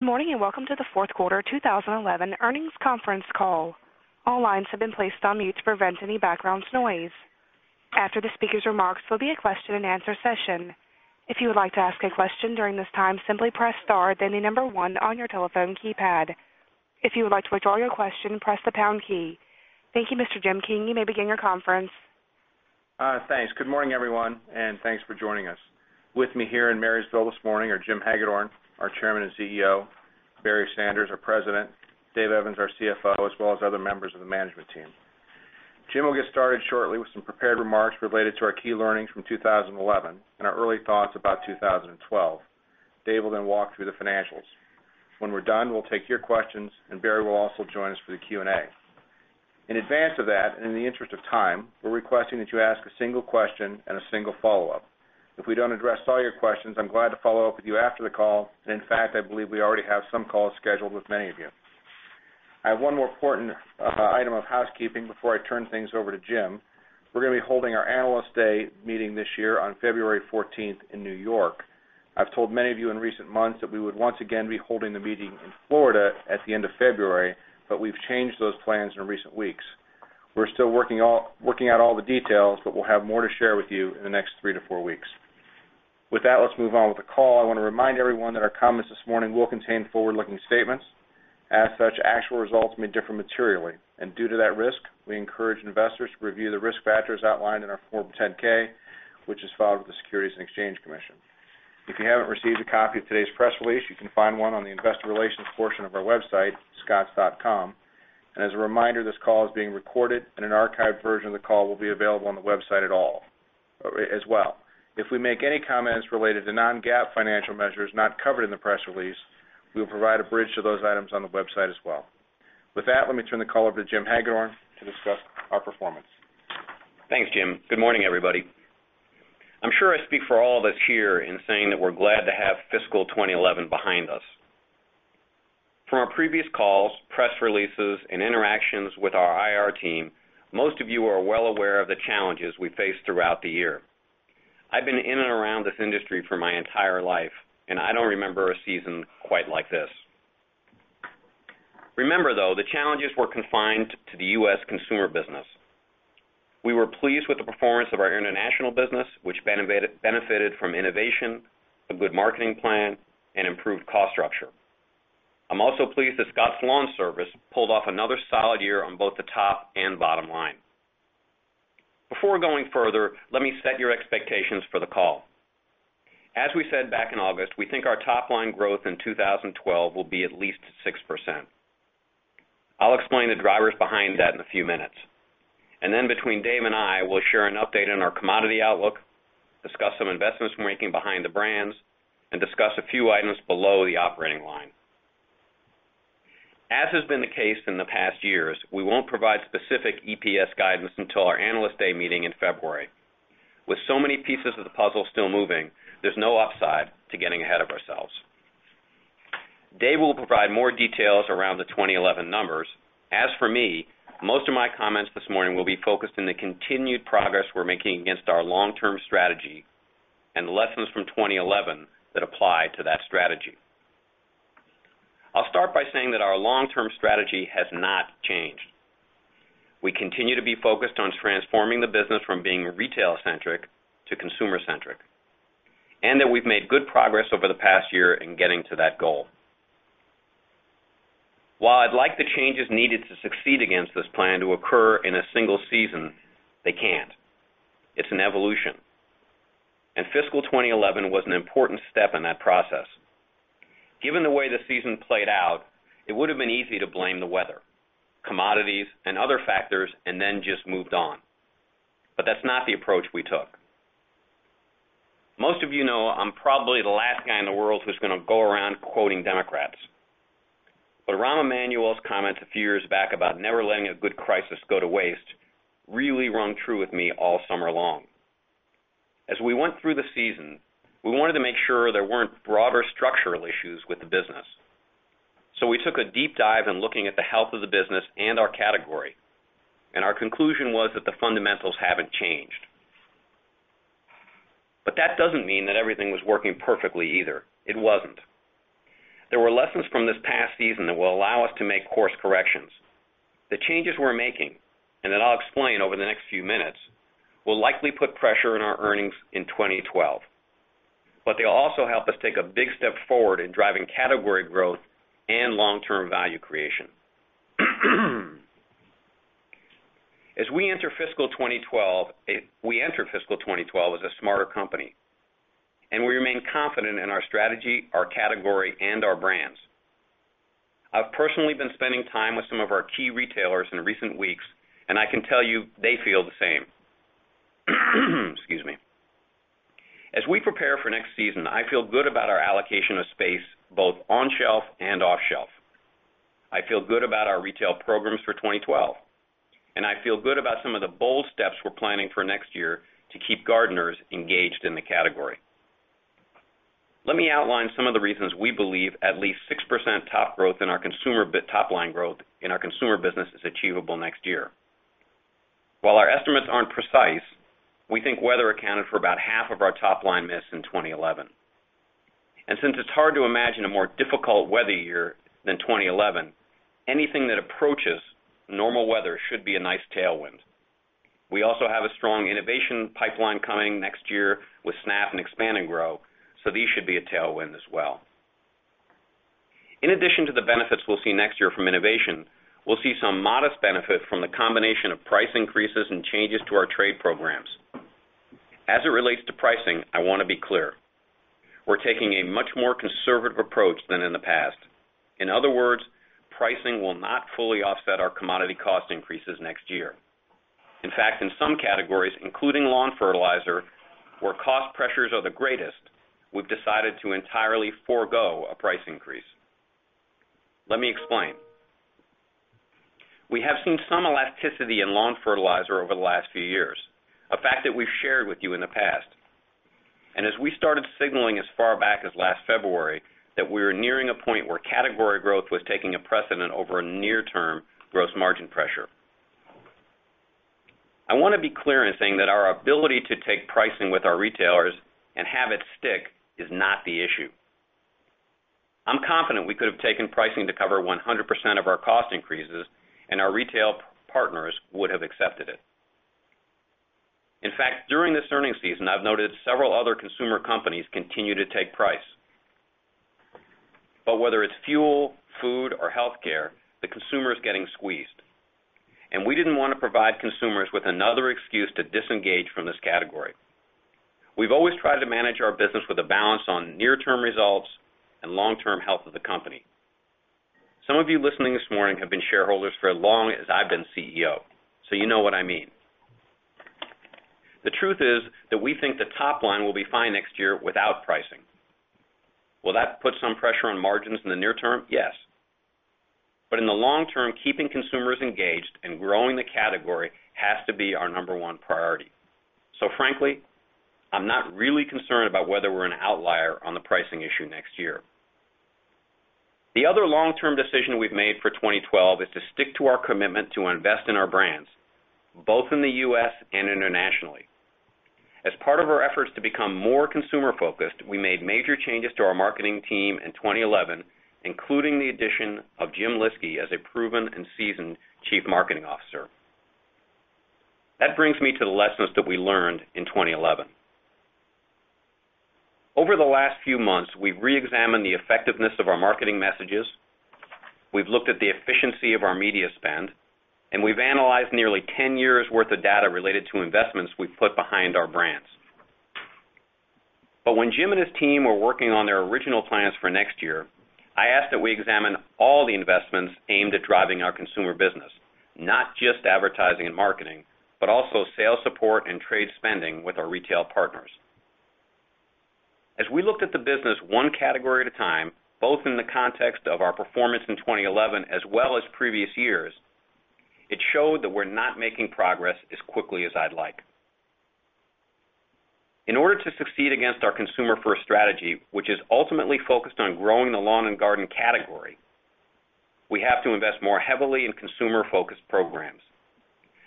Good morning and welcome to the Fourth Quarter 2011 Earnings Conference Call. All lines have been placed on mute to prevent any background noise. After the speaker's remarks, there will be a question and answer session. If you would like to ask a question during this time, simply press star, then the number one on your telephone keypad. If you would like to withdraw your question, press the pound key. Thank you, Mr. Jim King. You may begin your conference. Thanks. Good morning, everyone, and thanks for joining us. With me here in Marysville this morning are Jim Hagedorn, our Chairman and CEO, Barry Sanders, our President, Dave Evans, our CFO, as well as other members of the management team. Jim will get started shortly with some prepared remarks related to our key learnings from 2011 and our early thoughts about 2012. Dave will then walk through the financials. When we're done, we'll take your questions, and Barry will also join us for the Q&A. In advance of that, and in the interest of time, we're requesting that you ask a single question and a single follow-up. If we don't address all your questions, I'm glad to follow up with you after the call. In fact, I believe we already have some calls scheduled with many of you. I have one more important item of housekeeping before I turn things over to Jim. We're going to be holding our analyst day meeting this year on February 14th in New York. I've told many of you in recent months that we would once again be holding the meeting in Florida at the end of February, but we've changed those plans in recent weeks. We're still working out all the details, but we'll have more to share with you in the next three to four weeks. With that, let's move on with the call. I want to remind everyone that our comments this morning will contain forward-looking statements. As such, actual results may differ materially, and due to that risk, we encourage investors to review the risk factors outlined in our Form 10-K, which is filed with the Securities and Exchange Commission. If you haven't received a copy of today's press release, you can find one on the investor relations portion of our website, scotts.com. As a reminder, this call is being recorded, and an archived version of the call will be available on the website as well. If we make any comments related to non-GAAP financial measures not covered in the press release, we will provide a bridge to those items on the website as well. With that, let me turn the call over to Jim Hagedorn to discuss our performance. Thanks, Jim. Good morning, everybody. I'm sure I speak for all of us here in saying that we're glad to have fiscal 2011 behind us. From our previous calls, press releases, and interactions with our IR team, most of you are well aware of the challenges we faced throughout the year. I've been in and around this industry for my entire life, and I don't remember a season quite like this. Remember, though, the challenges were confined to the U.S. consumer business. We were pleased with the performance of our international business, which benefited from innovation, a good marketing plan, and improved cost structure. I'm also pleased that Scotts LawnService pulled off another solid year on both the top and bottom line. Before going further, let me set your expectations for the call. As we said back in August, we think our top-line growth in 2012 will be at least 6%. I'll explain the drivers behind that in a few minutes. Between Dave and I, we'll share an update on our commodity outlook, discuss some investments we're making behind the brands, and discuss a few items below the operating line. As has been the case in the past years, we won't provide specific EPS guidance until our analyst day meeting in February. With so many pieces of the puzzle still moving, there's no upside to getting ahead of ourselves. Dave will provide more details around the 2011 numbers. As for me, most of my comments this morning will be focused on the continued progress we're making against our long-term strategy and the lessons from 2011 that apply to that strategy. I'll start by saying that our long-term strategy has not changed. We continue to be focused on transforming the business from being retail-centric to consumer-centric, and that we've made good progress over the past year in getting to that goal. While I'd like the changes needed to succeed against this plan to occur in a single season, they can't. It's an evolution. Fiscal 2011 was an important step in that process. Given the way the season played out, it would have been easy to blame the weather, commodities, and other factors, and then just moved on. That's not the approach we took. Most of you know I'm probably the last guy in the world who's going to go around quoting Democrats. Rahm Emanuel's comments a few years back about never letting a good crisis go to waste really rung true with me all summer long. As we went through the season, we wanted to make sure there weren't broader structural issues with the business. We took a deep dive in looking at the health of the business and our category, and our conclusion was that the fundamentals haven't changed. That doesn't mean that everything was working perfectly either. It wasn't. There were lessons from this past season that will allow us to make course corrections. The changes we're making, and that I'll explain over the next few minutes, will likely put pressure on our earnings in 2012. They'll also help us take a big step forward in driving category growth and long-term value creation. As we enter fiscal 2012, we enter fiscal 2012 as a smarter company, and we remain confident in our strategy, our category, and our brands. I've personally been spending time with some of our key retailers in recent weeks, and I can tell you they feel the same. Excuse me. As we prepare for next season, I feel good about our allocation of space, both on shelf and off shelf. I feel good about our retail programs for 2012, and I feel good about some of the bold steps we're planning for next year to keep gardeners engaged in the category. Let me outline some of the reasons we believe at least 6% top-line growth in our consumer business is achievable next year. While our estimates aren't precise, we think weather accounted for about half of our top-line miss in 2011. Since it's hard to imagine a more difficult weather year than 2011, anything that approaches normal weather should be a nice tailwind. We also have a strong innovation pipeline coming next year with SNAP and Expand & Grow, so these should be a tailwind as well. In addition to the benefits we'll see next year from innovation, we'll see some modest benefits from the combination of price increases and changes to our trade programs. As it relates to pricing, I want to be clear. We're taking a much more conservative approach than in the past. In other words, pricing will not fully offset our commodity cost increases next year. In fact, in some categories, including lawn fertilizer, where cost pressures are the greatest, we've decided to entirely forego a price increase. Let me explain. We have seen some elasticity in lawn fertilizer over the last few years, a fact that we've shared with you in the past. As we started signaling as far back as last February that we were nearing a point where category growth was taking a precedent over near-term gross margin pressure, I want to be clear in saying that our ability to take pricing with our retailers and have it stick is not the issue. I'm confident we could have taken pricing to cover 100% of our cost increases, and our retail partners would have accepted it. In fact, during this earnings season, I've noted that several other consumer companies continue to take price. Whether it's fuel, food, or healthcare, the consumer is getting squeezed. We didn't want to provide consumers with another excuse to disengage from this category. We've always tried to manage our business with a balance on near-term results and long-term health of the company. Some of you listening this morning have been shareholders for as long as I've been CEO, so you know what I mean. The truth is that we think the top line will be fine next year without pricing. Will that put some pressure on margins in the near-term? Yes. In the long-term, keeping consumers engaged and growing the category has to be our number one priority. Frankly, I'm not really concerned about whether we're an outlier on the pricing issue next year. The other long-term decision we've made for 2012 is to stick to our commitment to invest in our brands, both in the U.S. and internationally. As part of our efforts to become more consumer-focused, we made major changes to our marketing team in 2011, including the addition of Jim Lyski as a proven and seasoned chief marketing officer. That brings me to the lessons that we learned in 2011. Over the last few months, we reexamined the effectiveness of our marketing messages. We've looked at the efficiency of our media spend, and we've analyzed nearly 10 years' worth of data related to investments we've put behind our brands. When Jim and his team were working on their original plans for next year, I asked that we examine all the investments aimed at driving our consumer business, not just advertising and marketing, but also sales support and trade spending with our retail partners. As we looked at the business one category at a time, both in the context of our performance in 2011 as well as previous years, it showed that we're not making progress as quickly as I'd like. In order to succeed against our consumer-first strategy, which is ultimately focused on growing the Lawn and Garden category, we have to invest more heavily in consumer-focused programs.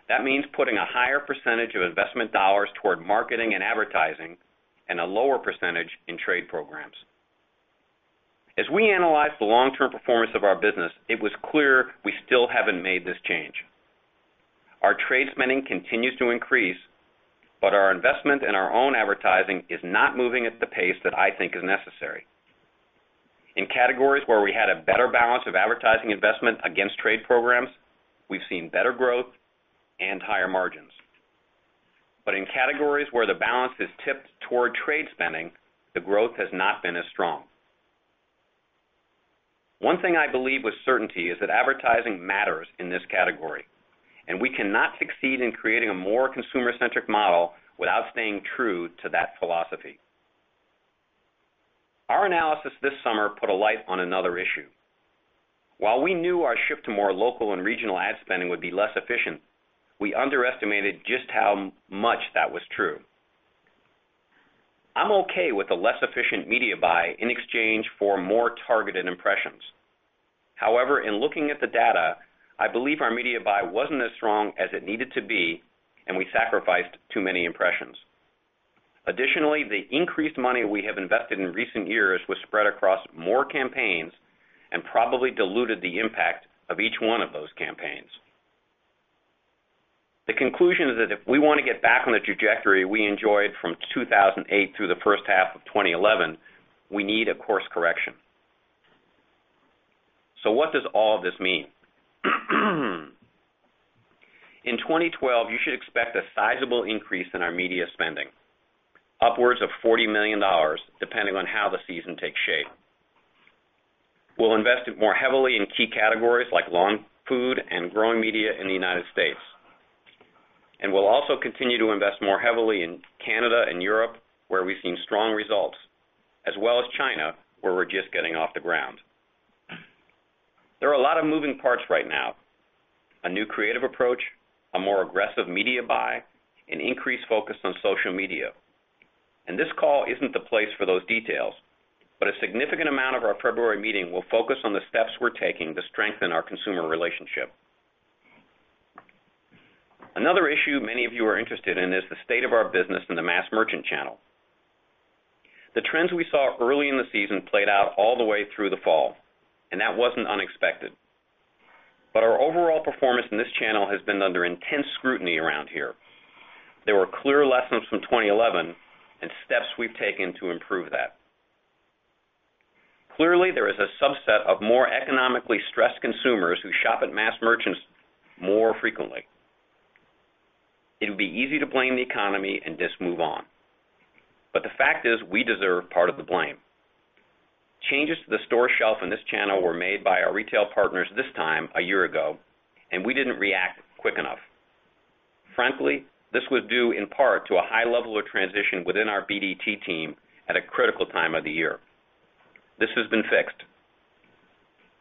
That means putting a higher percentage of investment dollars toward marketing and advertising and a lower percentage in trade programs. As we analyzed the long-term performance of our business, it was clear we still haven't made this change. Our trade spending continues to increase, but our investment in our own advertising is not moving at the pace that I think is necessary. In categories where we had a better balance of advertising investment against trade programs, we've seen better growth and higher margins. In categories where the balance has tipped toward trade spending, the growth has not been as strong. One thing I believe with certainty is that advertising matters in this category, and we cannot succeed in creating a more consumer-centric model without staying true to that philosophy. Our analysis this summer put a light on another issue. While we knew our shift to more local and regional ad spending would be less efficient, we underestimated just how much that was true. I'm okay with a less efficient media buy in exchange for more targeted impressions. However, in looking at the data, I believe our media buy wasn't as strong as it needed to be, and we sacrificed too many impressions. Additionally, the increased money we have invested in recent years was spread across more campaigns and probably diluted the impact of each one of those campaigns. The conclusion is that if we want to get back on the trajectory we enjoyed from 2008 through the first half of 2011, we need a course correction. What does all of this mean? In 2012, you should expect a sizable increase in our media spending, upwards of $40 million, depending on how the season takes shape. We'll invest more heavily in key categories like lawn, food, and growing media in the United States. We'll also continue to invest more heavily in Canada and Europe, where we've seen strong results, as well as China, where we're just getting off the ground. There are a lot of moving parts right now: a new creative approach, a more aggressive media buy, and increased focus on social media. This call isn't the place for those details, but a significant amount of our February meeting will focus on the steps we're taking to strengthen our consumer relationship. Another issue many of you are interested in is the state of our business in the mass merchant channel. The trends we saw early in the season played out all the way through the fall, and that was not unexpected. Our overall performance in this channel has been under intense scrutiny around here. There were clear lessons from 2011 and steps we've taken to improve that. Clearly, there is a subset of more economically stressed consumers who shop at mass merchants more frequently. It would be easy to blame the economy and just move on. The fact is we deserve part of the blame. Changes to the store shelf in this channel were made by our retail partners this time a year ago, and we did not react quickly enough. Frankly, this was due in part to a high-level of transition within our BDT team at a critical time of the year. This has been fixed.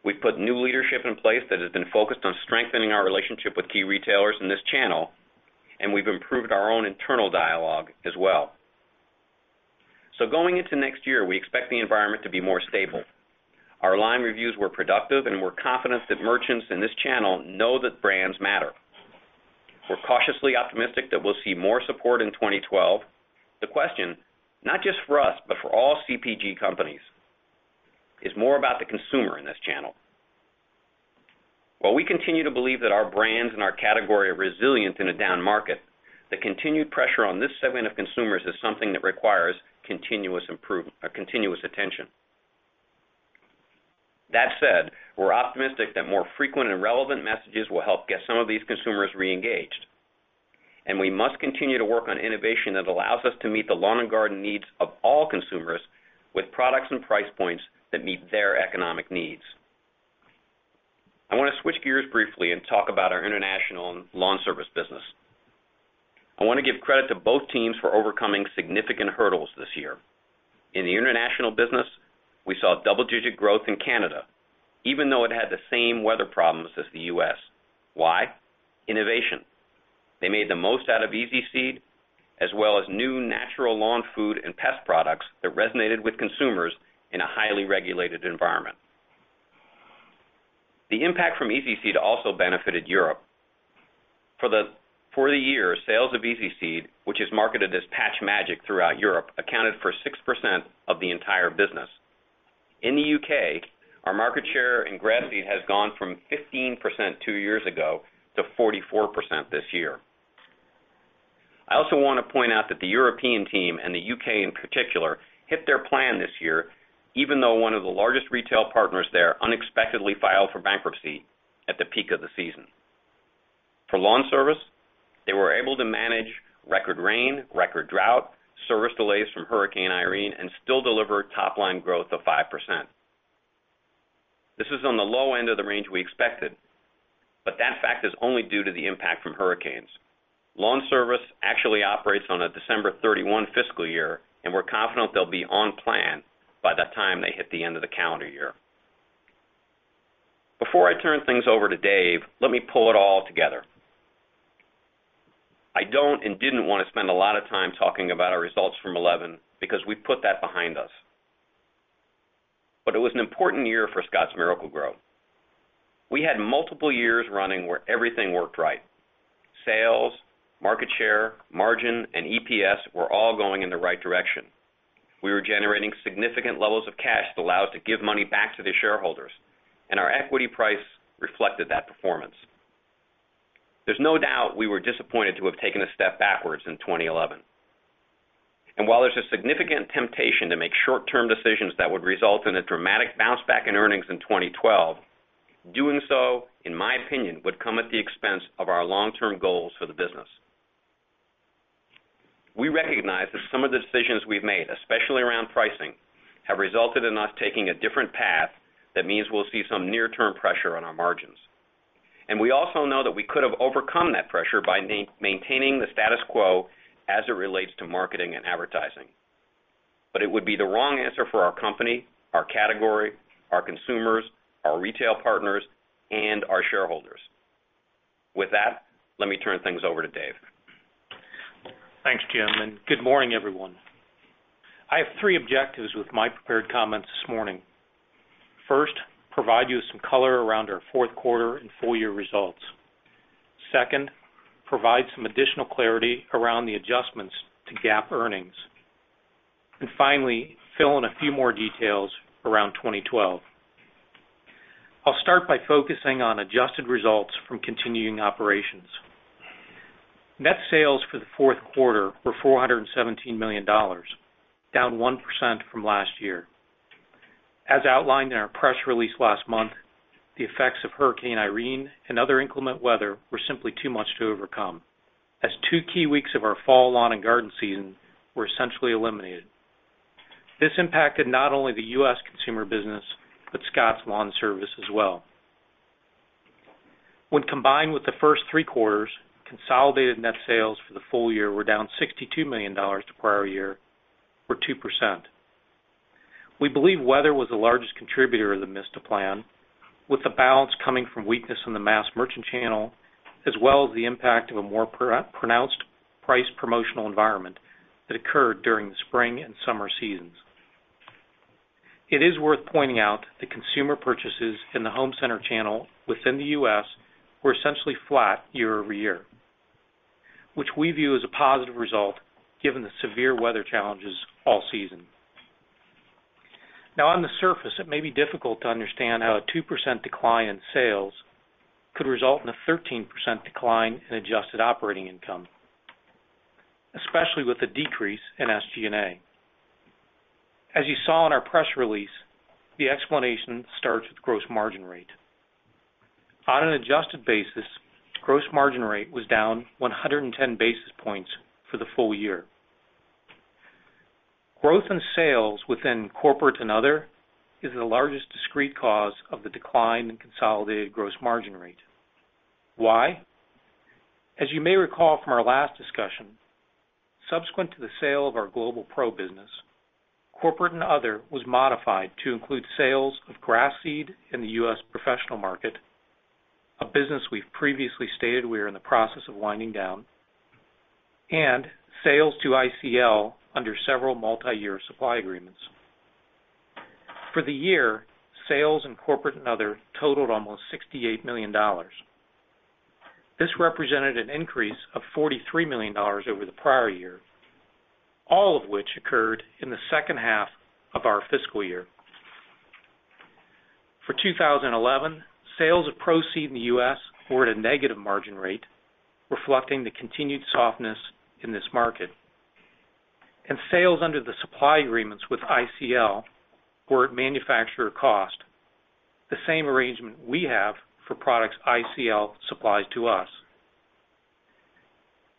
We have put new leadership in place that has been focused on strengthening our relationship with key retailers in this channel, and we have improved our own internal dialogue as well. Going into next year, we expect the environment to be more stable. Our line reviews were productive, and we are confident that merchants in this channel know that brands matter. We are cautiously optimistic that we will see more support in 2012. The question, not just for us, but for all CPG companies, is more about the consumer in this channel. While we continue to believe that our brands and our category are resilient in a down market, the continued pressure on this segment of consumers is something that requires continuous improvement and continuous attention. That said, we are optimistic that more frequent and relevant messages will help get some of these consumers reengaged. We must continue to work on innovation that allows us to meet the Lawn and Garden needs of all consumers with products and price points that meet their economic needs. I want to switch gears briefly and talk about our international LawnService business. I want to give credit to both teams for overcoming significant hurdles this year. In the international business, we saw double-digit growth in Canada, even though it had the same weather problems as the U.S. Why? Innovation. They made the most out of easy seed, as well as new natural lawn food and pest products that resonated with consumers in a highly regulated environment. The impact from easy seed also benefited Europe. For the year, sales of easy seed, which is marketed as Patch Magic throughout Europe, accounted for 6% of the entire business. In the U.K., our market share in grass seed has gone from 15% two years ago to 44% this year. I also want to point out that the European team, and the U.K. in particular, hit their plan this year, even though one of the largest retail partners there unexpectedly filed for bankruptcy at the peak of the season. For LawnService, they were able to manage record rain, record drought, service delays from Hurricane Irene, and still deliver top-line growth of 5%. This is on the low end of the range we expected, but that fact is only due to the impact from hurricanes. LawnService actually operates on a December 31 fiscal year, and we're confident they'll be on plan by the time they hit the end of the calendar year. Before I turn things over to Dave, let me pull it all together. I don't and didn't want to spend a lot of time talking about our results from 2011 because we've put that behind us. It was an important year for ScottsMiracle-Gro. We had multiple years running where everything worked right. Sales, market share, margin, and EPS were all going in the right direction. We were generating significant levels of cash that allowed us to give money back to the shareholders, and our equity price reflected that performance. There's no doubt we were disappointed to have taken a step backwards in 2011. While there's a significant temptation to make short-term decisions that would result in a dramatic bounce back in earnings in 2012, doing so, in my opinion, would come at the expense of our long-term goals for the business. We recognize that some of the decisions we've made, especially around pricing, have resulted in us taking a different path that means we'll see some near-term pressure on our margins. We also know that we could have overcome that pressure by maintaining the status quo as it relates to marketing and advertising. It would be the wrong answer for our company, our category, our consumers, our retail partners, and our shareholders. With that, let me turn things over to Dave. Thanks, Jim, and good morning, everyone. I have three objectives with my prepared comments this morning. First, provide you some color around our fourth quarter and full-year results. Second, provide some additional clarity around the adjustments to GAAP earnings. Finally, fill in a few more details around 2012. I'll start by focusing on adjusted results from continuing operations. Net sales for the fourth quarter were $417 million, down 1% from last year. As outlined in our press release last month, the effects of Hurricane Irene and other inclement weather were simply too much to overcome, as two key weeks of our fall Lawn and Garden season were essentially eliminated. This impacted not only the U.S. consumer business but Scotts LawnService as well. When combined with the first three quarters, consolidated net sales for the full year were down $62 million to prior year, or 2%. We believe weather was the largest contributor to the missed plan, with the balance coming from weakness in the mass merchant channel, as well as the impact of a more pronounced price promotional environment that occurred during the spring and summer seasons. It is worth pointing out that consumer purchases in the home center channel within the U.S. were essentially flat year-over-year, which we view as a positive result given the severe weather challenges all season. Now, on the surface, it may be difficult to understand how a 2% decline in sales could result in a 13% decline in adjusted operating income, especially with a decrease in SG&A. As you saw in our press release, the explanation starts with gross margin rate. On an adjusted basis, the gross margin rate was down 110 basis points for the full year. Growth in sales within corporate and other is the largest discrete cause of the decline in consolidated gross margin rate. Why? As you may recall from our last discussion, subsequent to the sale of our Global Pro business, corporate and other was modified to include sales of grass seed in the U.S. professional market, a business we've previously stated we are in the process of winding down, and sales to ICL under several multi-year supply agreements. For the year, sales in corporate and other totaled almost $68 million. This represented an increase of $43 million over the prior year, all of which occurred in the second half of our fiscal year. For 2011, sales of Pro-Seed in the U.S. were at a negative margin rate, reflecting the continued softness in this market. Sales under the supply agreements with ICL were at manufacturer cost, the same arrangement we have for products ICL supplies to us.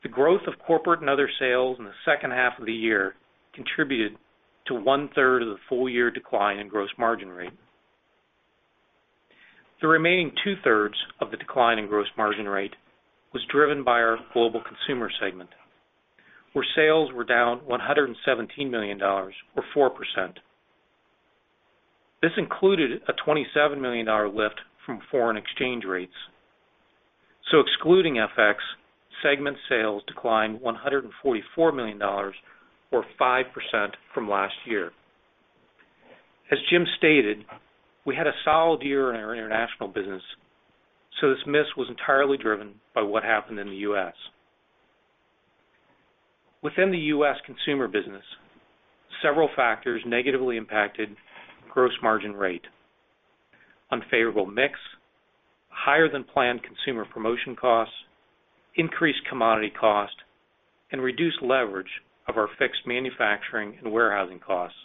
The growth of corporate and other sales in the second half of the year contributed to 1/3 of the full-year decline in gross margin rate. The remaining 2/3 of the decline in gross margin rate was driven by our global consumer segment, where sales were down $117 million, or 4%. This included a $27-million lift from foreign exchange rates. Excluding FX, segment sales declined $144 million, or 5% from last year. As Jim stated, we had a solid year in our international business, so this miss was entirely driven by what happened in the U.S. Within the U.S. consumer business, several factors negatively impacted gross margin rate: unfavorable mix, higher than planned consumer promotion costs, increased commodity cost, and reduced leverage of our fixed manufacturing and warehousing costs.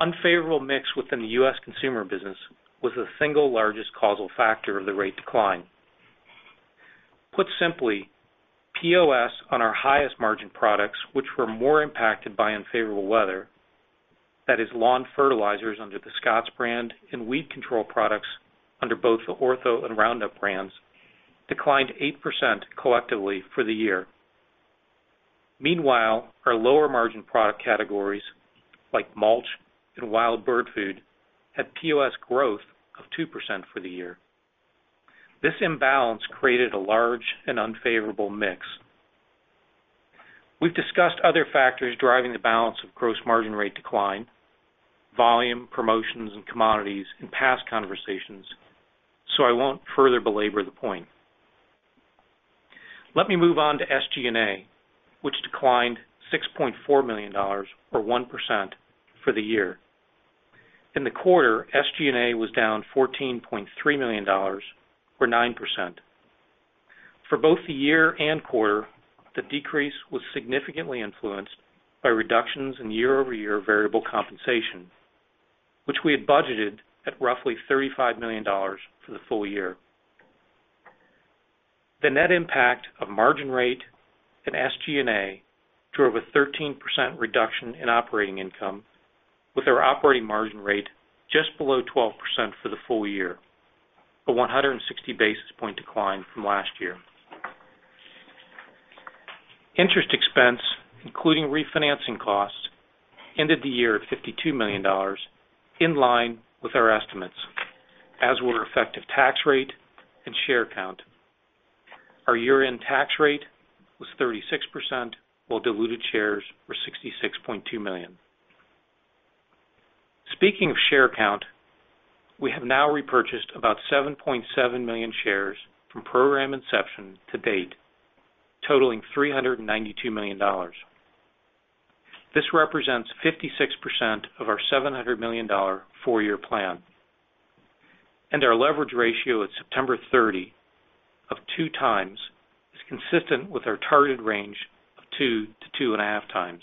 Unfavorable mix within the U.S. consumer business was the single largest causal factor of the rate decline. Put simply, POS on our highest margin products, which were more impacted by unfavorable weather, that is, lawn fertilizers under the Scotts brand and weed control products under both the Ortho and Roundup brands, declined 8% collectively for the year. Meanwhile, our lower margin product categories, like mulch and wild bird food, had POS growth of 2% for the year. This imbalance created a large and unfavorable mix. We've discussed other factors driving the balance of gross margin rate decline: volume, promotions, and commodities in past conversations, so I won't further belabor the point. Let me move on to SG&A, which declined $6.4 million, or 1% for the year. In the quarter, SG&A was down $14.3 million, or 9%. For both the year and quarter, the decrease was significantly influenced by reductions in year-over-year variable compensation, which we had budgeted at roughly $35 million for the full year. The net impact of margin rate and SG&A drove a 13% reduction in operating income, with our operating margin rate just below 12% for the full year, a 160 basis point decline from last year. Interest expense, including refinancing costs, ended the year at $52 million, in line with our estimates, as were effective tax rate and share count. Our year-end tax rate was 36%, while diluted shares were 66.2 million. Speaking of share count, we have now repurchased about 7.7 million shares from program inception to date, totaling $392 million. This represents 56% of our $700 million four-year plan. Our leverage ratio at September 30, of 2x, is consistent with our targeted range 2x-2.5x.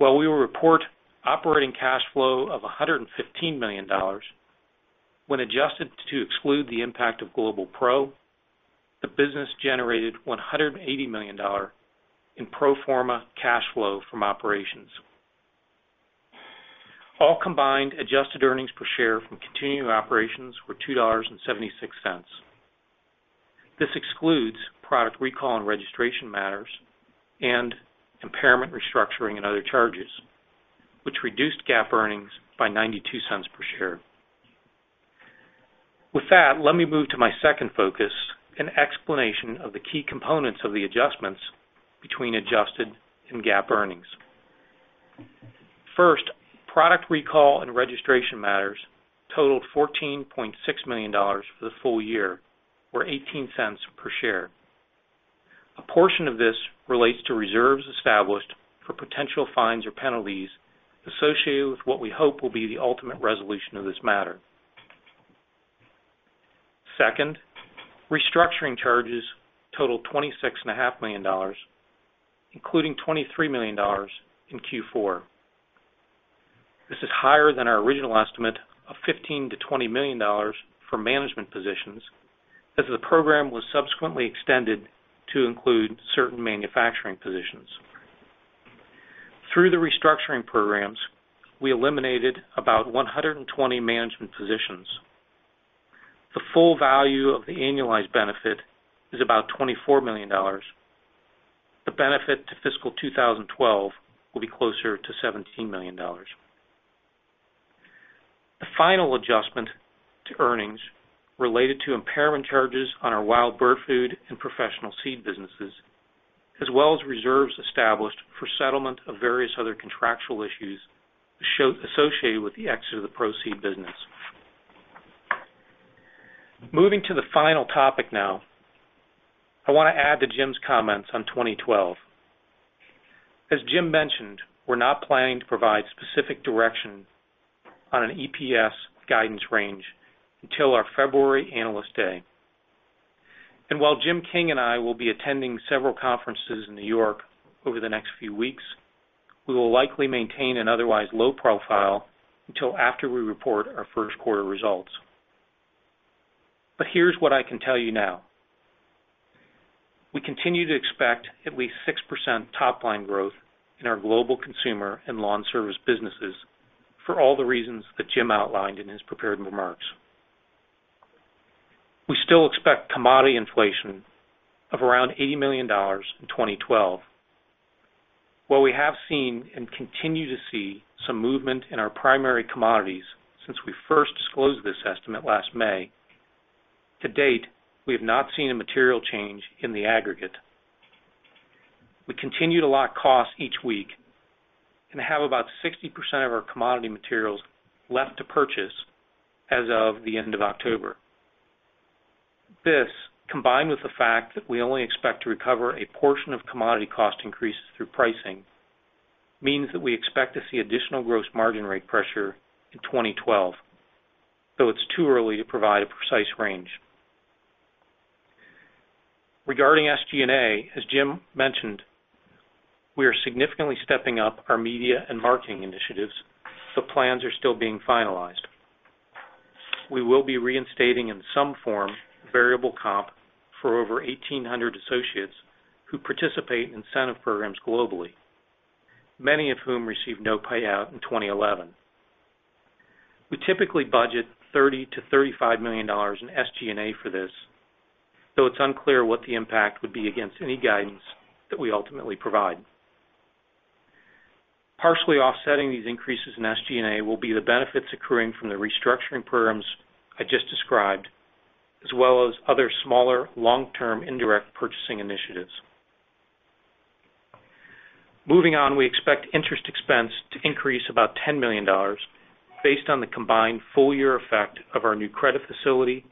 We will report operating cash flow of $115 million. When adjusted to exclude the impact of Global Pro, the business generated $180 million in pro forma cash flow from operations. All combined, adjusted earnings per share from continuing operations were $2.76. This excludes product recall and registration matters and impairment restructuring and other charges, which reduced GAAP earnings by $0.92 per share. With that, let me move to my second focus, an explanation of the key components of the adjustments between adjusted and GAAP earnings. First, product recall and registration matters totaled $14.6 million for the full year, or $0.18 per share. A portion of this relates to reserves established for potential fines or penalties associated with what we hope will be the ultimate resolution of this matter. Second, restructuring charges totaled $26.5 million, including $23 million in Q4. This is higher than our original estimate of $15 million-$20 million for management positions, as the program was subsequently extended to include certain manufacturing positions. Through the restructuring programs, we eliminated about 120 management positions. The full value of the annualized benefit is about $24 million. The benefit to fiscal 2012 will be closer to $17 million. The final adjustment to earnings related to impairment charges on our wild bird food and professional seed businesses, as well as reserves established for settlement of various other contractual issues associated with the exit of the Pro-Seed business. Moving to the final topic now, I want to add to Jim's comments on 2012. As Jim mentioned, we're not planning to provide specific direction on an EPS guidance range until our February analyst day. Jim King and I will be attending several conferences in New York over the next few weeks. We will likely maintain an otherwise low profile until after we report our first quarter results. Here's what I can tell you now. We continue to expect at least 6% top-line growth in our global consumer and LawnService businesses for all the reasons that Jim outlined in his prepared remarks. We still expect commodity inflation of around $80 million in 2012. While we have seen and continue to see some movement in our primary commodities since we first disclosed this estimate last May, to date, we have not seen a material change in the aggregate. We continue to lock costs each week and have about 60% of our commodity materials left to purchase as of the end of October. This, combined with the fact that we only expect to recover a portion of commodity cost increases through pricing, means that we expect to see additional gross margin rate pressure in 2012, though it's too early to provide a precise range. Regarding SG&A, as Jim mentioned, we are significantly stepping up our media and marketing initiatives, so plans are still being finalized. We will be reinstating in some form variable compensation for over 1,800 associates who participate in incentive programs globally, many of whom received no payout in 2011. We typically budget $30 million-$35 million in SG&A for this, though it's unclear what the impact would be against any guidance that we ultimately provide. Partially offsetting these increases in SG&A will be the benefits accruing from the restructuring programs I just described, as well as other smaller long-term indirect purchasing initiatives. Moving on, we expect interest expense to increase about $10 million based on the combined full-year effect of our new credit facility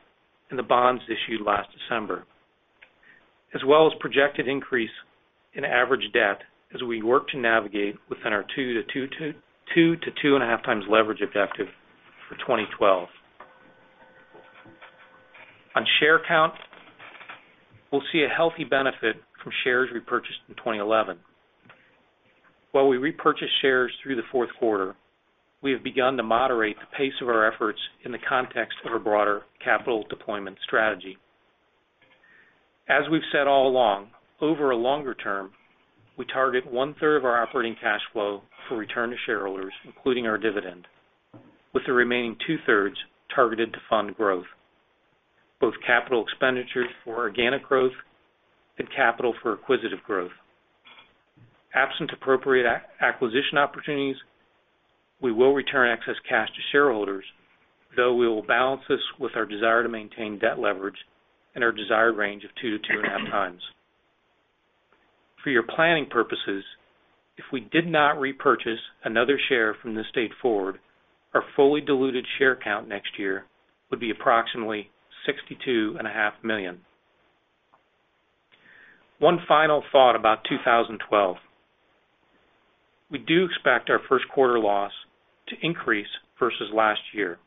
and the bonds issued last December, as well as projected increase in average debt as we work to navigate within our 2x-2.5x leverage objective for 2012. On share count, we'll see a healthy benefit from shares repurchased in 2011. While we repurchased shares through the fourth quarter, we have begun to moderate the pace of our efforts in the context of a broader capital deployment strategy. As we've said all along, over a longer term, we target 1/3 of our operating cash flow for return to shareholders, including our dividend, with the remaining 2/3 targeted to fund growth, both capital expenditures for organic growth and capital for acquisitive growth. Absent appropriate acquisition opportunities, we will return excess cash to shareholders, though we will balance this with our desire to maintain debt leverage in our desired range of 2x-2.5x. For your planning purposes, if we did not repurchase another share from this date forward, our fully diluted share count next year would be approximately 62.5 million. One final thought about 2012. We do expect our first quarter loss to increase versus last year.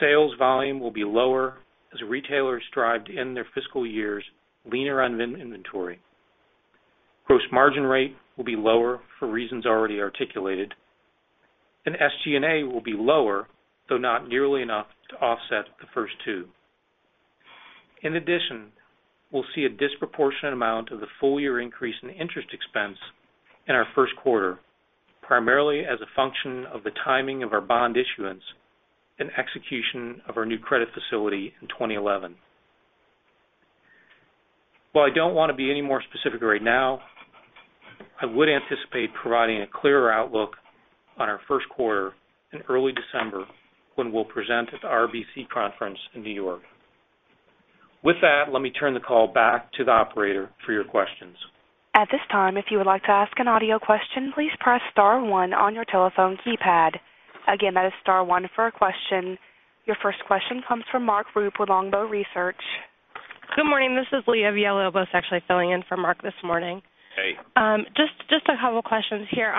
Sales volume will be lower as retailers strive to end their fiscal years leaner on inventory. Gross margin rate will be lower for reasons already articulated, and SG&A will be lower, though not nearly enough to offset the first two. In addition, we will see a disproportionate amount of the full-year increase in interest expense in our first quarter, primarily as a function of the timing of our bond issuance and execution of our new credit facility in 2011. While I do not want to be any more specific right now, I would anticipate providing a clearer outlook on our first quarter in early December when we will present at the RBC conference in New York. With that, let me turn the call back to the operator for your questions. At this time, if you would like to ask an audio question, please press star one on your telephone keypad. Again, that is star one for a question. Your first question comes from Mark Rupe with Longbow Research. Good morning. This is Leah Villalobos actually filling in for Mark this morning. Hey. Just a couple of questions here.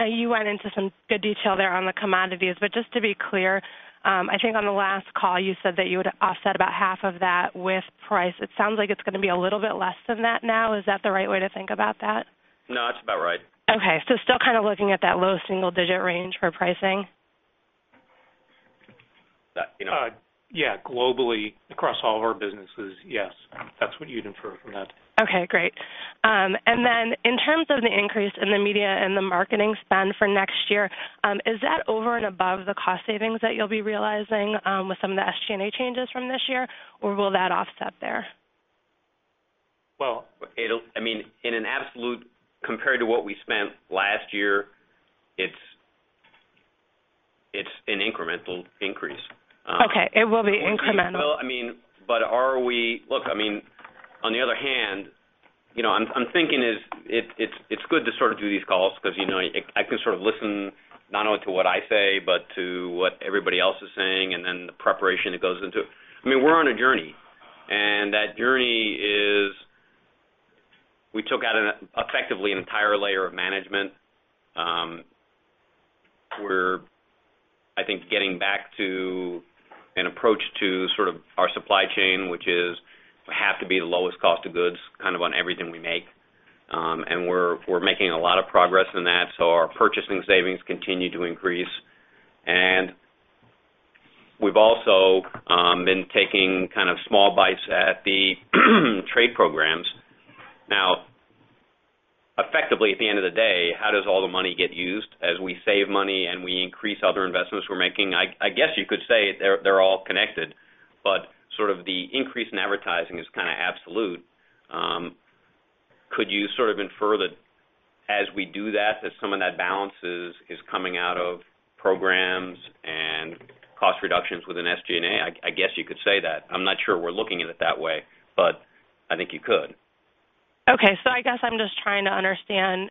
You went into some good detail there on the commodities, but just to be clear, I think on the last call you said that you would offset about half of that with price. It sounds like it's going to be a little bit less than that now. Is that the right way to think about that? No, that's about right. Okay. Still kind of looking at that low single-digit range for pricing? Yeah, globally across all of our businesses, yes. That's what you'd infer from that. Okay, great. In terms of the increase in the media and the marketing spend for next year, is that over and above the cost savings that you'll be realizing with some of the SG&A changes from this year, or will that offset there? In an absolute compared to what we spent last year, it's an incremental increase. Okay, it will be incremental. I mean, are we, look, on the other hand, you know, I'm thinking it's good to sort of do these calls because, you know, I can sort of listen not only to what I say, but to what everybody else is saying and then the preparation that goes into it. I mean, we're on a journey, and that journey is we took out effectively an entire layer of management. We're, I think, getting back to an approach to sort of our supply chain, which is have to be the lowest cost of goods kind of on everything we make. We're making a lot of progress in that, so our purchasing savings continue to increase. We've also been taking kind of small bites at the trade programs. Effectively, at the end of the day, how does all the money get used as we save money and we increase other investments we're making? I guess you could say they're all connected, but sort of the increase in advertising is kind of absolute. Could you sort of infer that as we do that, that some of that balance is coming out of programs and cost reductions within SG&A? I guess you could say that. I'm not sure we're looking at it that way, but I think you could. Okay, I guess I'm just trying to understand,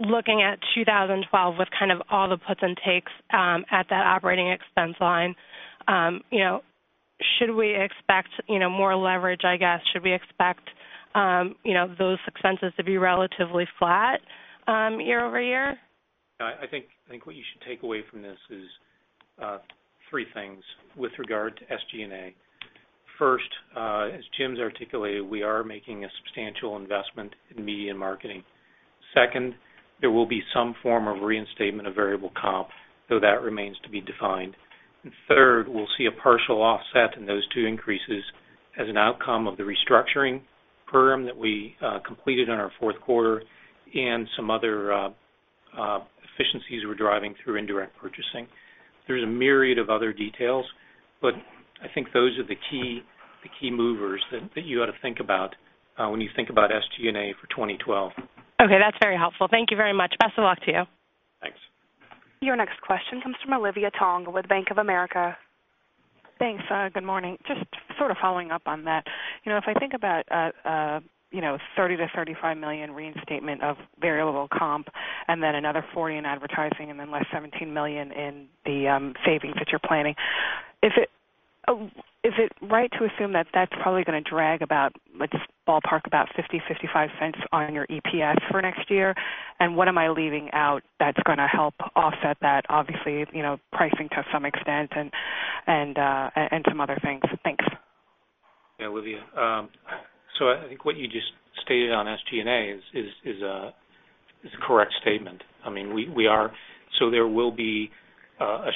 looking at 2012 with all the puts and takes at that operating expense line, should we expect more leverage? Should we expect those expenses to be relatively flat year-over-year? I think what you should take away from this is three things with regard to SG&A. First, as Jim's articulated, we are making a substantial investment in media and marketing. Second, there will be some form of reinstatement of variable comp, though that remains to be defined. Third, we'll see a partial offset in those two increases as an outcome of the restructuring program that we completed in our fourth quarter and some other efficiencies we're driving through indirect purchasing. There is a myriad of other details, but I think those are the key movers that you ought to think about when you think about SG&A for 2012. Okay, that's very helpful. Thank you very much. Best of luck to you. Thanks. Your next question comes from Olivia Tong with Bank of America. Thanks. Good morning. Just sort of following up on that. If I think about a $30 million-$35 million reinstatement of variable comp and then another $40 million in advertising and then less $17 million in the savings that you're planning, is it right to assume that that's probably going to drag about, let's ballpark about $0.50, $0.55 on your EPS for next year? What am I leaving out that's going to help offset that, obviously, you know, pricing to some extent and some other things? Thanks. Yeah, Olivia. I think what you just stated on SG&A is a correct statement. We are. There will be a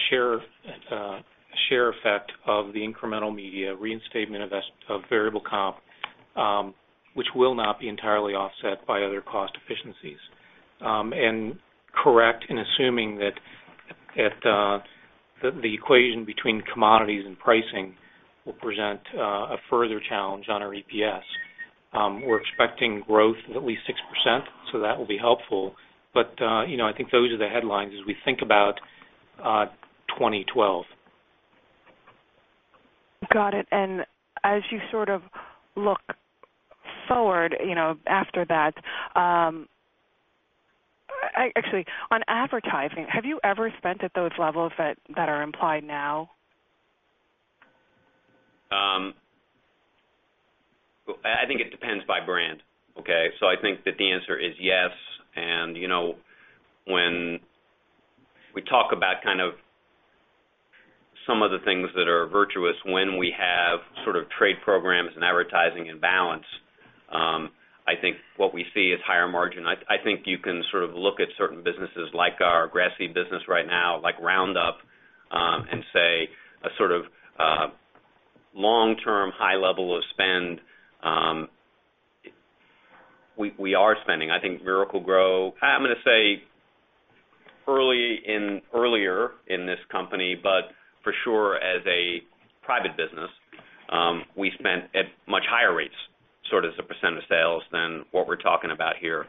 share effect of the incremental media reinstatement of variable comp, which will not be entirely offset by other cost efficiencies. You are correct in assuming that the equation between commodities and pricing will present a further challenge on our EPS. We're expecting growth of at least 6%, so that will be helpful. I think those are the headlines as we think about 2012. Got it. As you sort of look forward, you know, after that, actually, on advertising, have you ever spent at those levels that are implied now? I think it depends by brand, okay? I think that the answer is yes. You know, when we talk about kind of some of the things that are virtuous when we have sort of trade programs and advertising and balance, I think what we see is higher margin. I think you can sort of look at certain businesses like our grass seed business right now, like Roundup, and say a sort of long-term high level of spend. We are spending, I think, Miracle-Gro, I'm going to say, earlier in this company, but for sure as a private business, we spent at much higher rates, sort of as a percent of sales than what we're talking about here.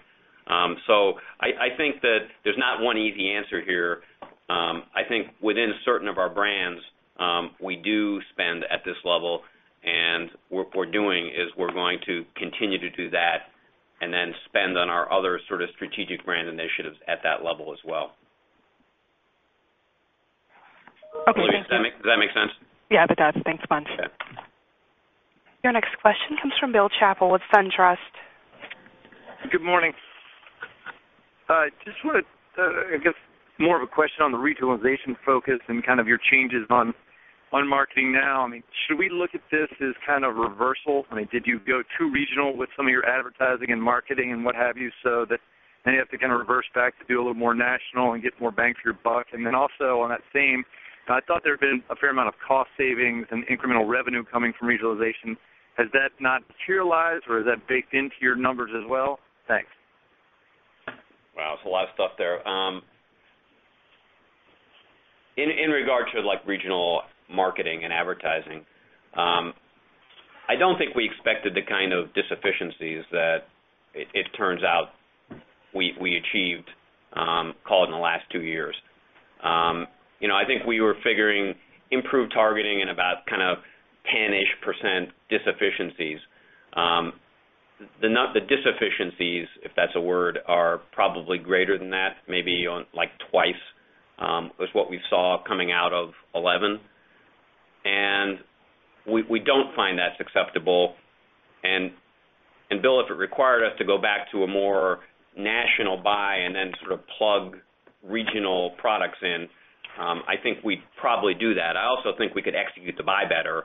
I think that there's not one easy answer here. I think within certain of our brands, we do spend at this level, and what we're doing is we're going to continue to do that and then spend on our other sort of strategic brand initiatives at that level as well. Okay. Does that make sense? Yeah, that does. Thanks much. Sure. Your next question comes from Bill Chappell with SunTrust. Good morning. I just want to, I guess, more of a question on the retail innovation focus and kind of your changes on marketing now. I mean, should we look at this as kind of a reversal? I mean, did you go too regional with some of your advertising and marketing and what have you so that you have to kind of reverse back to do a little more national and get more bang for your buck? Also, on that same, I thought there had been a fair amount of cost savings and incremental revenue coming from regionalization. Has that not materialized or is that baked into your numbers as well? Thanks. Wow. It's a lot of stuff there. In regard to regional marketing and advertising, I don't think we expected the kind of disefficiencies that it turns out we achieved, call it in the last two years. I think we were figuring improved targeting and about kind of 10%-ish disefficiencies. The disefficiencies, if that's a word, are probably greater than that, maybe on like twice as what we saw coming out of 2011. We don't find that's acceptable. Bill, if it required us to go back to a more national buy and then sort of plug regional products in, I think we'd probably do that. I also think we could execute the buy better.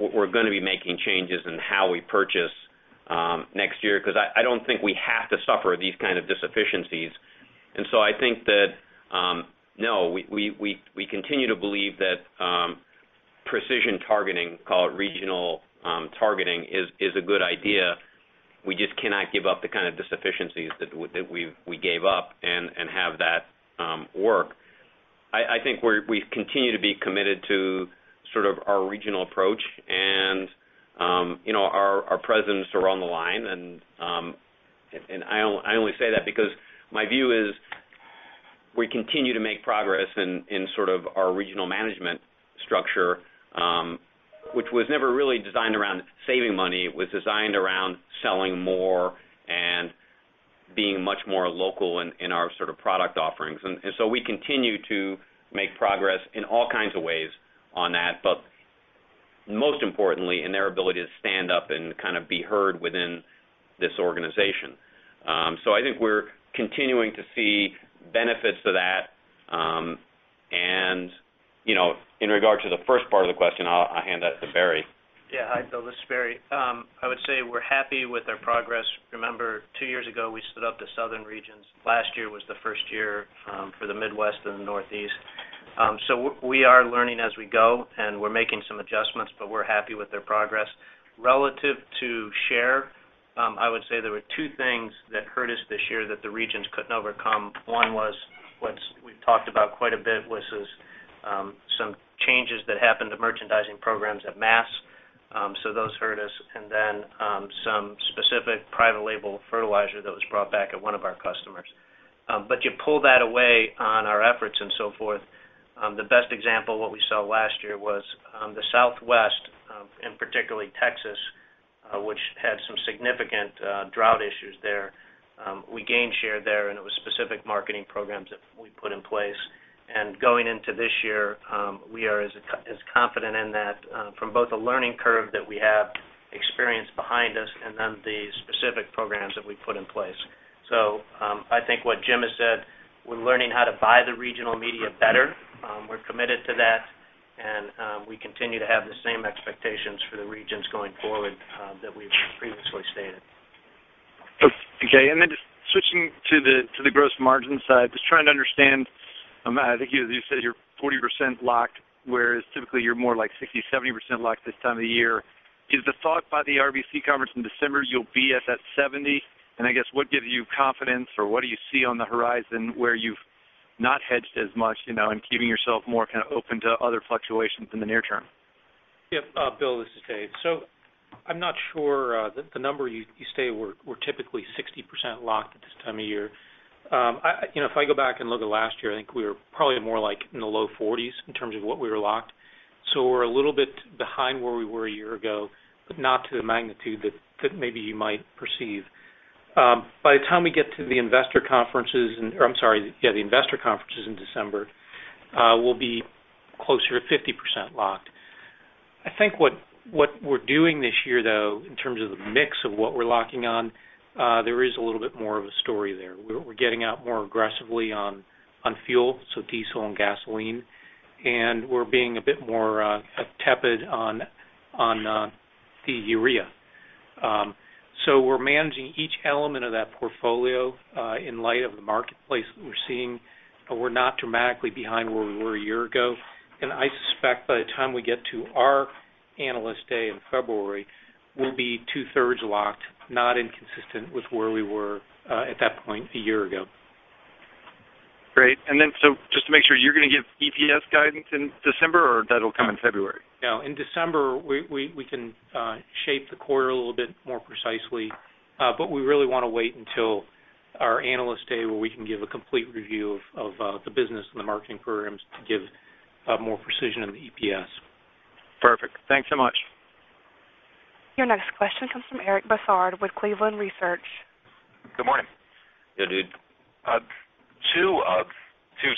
We're going to be making changes in how we purchase next year because I don't think we have to suffer these kind of disefficiencies. I think that, no, we continue to believe that precision targeting, call it regional targeting, is a good idea. We just cannot give up the kind of disefficiencies that we gave up and have that work. I think we continue to be committed to our regional approach and our presence around the line. I only say that because my view is we continue to make progress in our regional management structure, which was never really designed around saving money. It was designed around selling more and being much more local in our product offerings. We continue to make progress in all kinds of ways on that, but most importantly, in their ability to stand up and be heard within this organization. I think we're continuing to see benefits to that. In regard to the first part of the question, I'll hand that to Barry. Yeah, hi, Bill. This is Barry. I would say we're happy with our progress. Remember, two years ago, we stood up the southern regions. Last year was the first year for the Midwest and the Northeast. We are learning as we go, and we're making some adjustments, but we're happy with their progress. Relative to share, I would say there were two things that hurt us this year that the regions couldn't overcome. One was what we've talked about quite a bit, which is some changes that happened to merchandising programs at mass. Those hurt us. Then some specific private label fertilizer was brought back at one of our customers. You pull that away on our efforts and so forth. The best example of what we saw last year was the Southwest, particularly Texas, which had some significant drought issues there. We gained share there, and it was specific marketing programs that we put in place. Going into this year, we are as confident in that from both the learning curve that we have experienced behind us and the specific programs that we put in place. I think what Jim has said, we're learning how to buy the regional media better. We're committed to that, and we continue to have the same expectations for the regions going forward that we've previously stated. Okay. Switching to the gross margin side, just trying to understand, I think you said you're 40% locked, whereas typically you're more like 60%-70% locked this time of the year. Is the thought by the RBC conference in December you'll be at that 70%? I guess what gives you confidence or what do you see on the horizon where you've not hedged as much, you know, and keeping yourself more kind of open to other fluctuations in the near-term? Yeah. Bill, this is Dave. I'm not sure that the number you stated, we're typically 60% locked at this time of year. If I go back and look at last year, I think we were probably more like in the low 40% in terms of what we were locked. We're a little bit behind where we were a year ago, but not to the magnitude that maybe you might perceive. By the time we get to the investor conferences, or I'm sorry, the investor conferences in December, we'll be closer to 50% locked. I think what we're doing this year, though, in terms of the mix of what we're locking on, there is a little bit more of a story there. We're getting out more aggressively on fuel, so diesel and gasoline, and we're being a bit more tepid on the urea. We're managing each element of that portfolio in light of the marketplace that we're seeing. We're not dramatically behind where we were a year ago. I suspect by the time we get to our analyst day in February, we'll be two-thirds locked, not inconsistent with where we were at that point a year ago. Great. Just to make sure, you're going to give EPS guidance in December, or that'll come in February? No. In December, we can shape the quarter a little bit more precisely, but we really want to wait until our analyst day, where we can give a complete review of the business and the marketing programs to give more precision in the EPS. Perfect. Thanks so much. Your next question comes from Eric Bosshard with Cleveland Research. Good morning. Good, dude. Two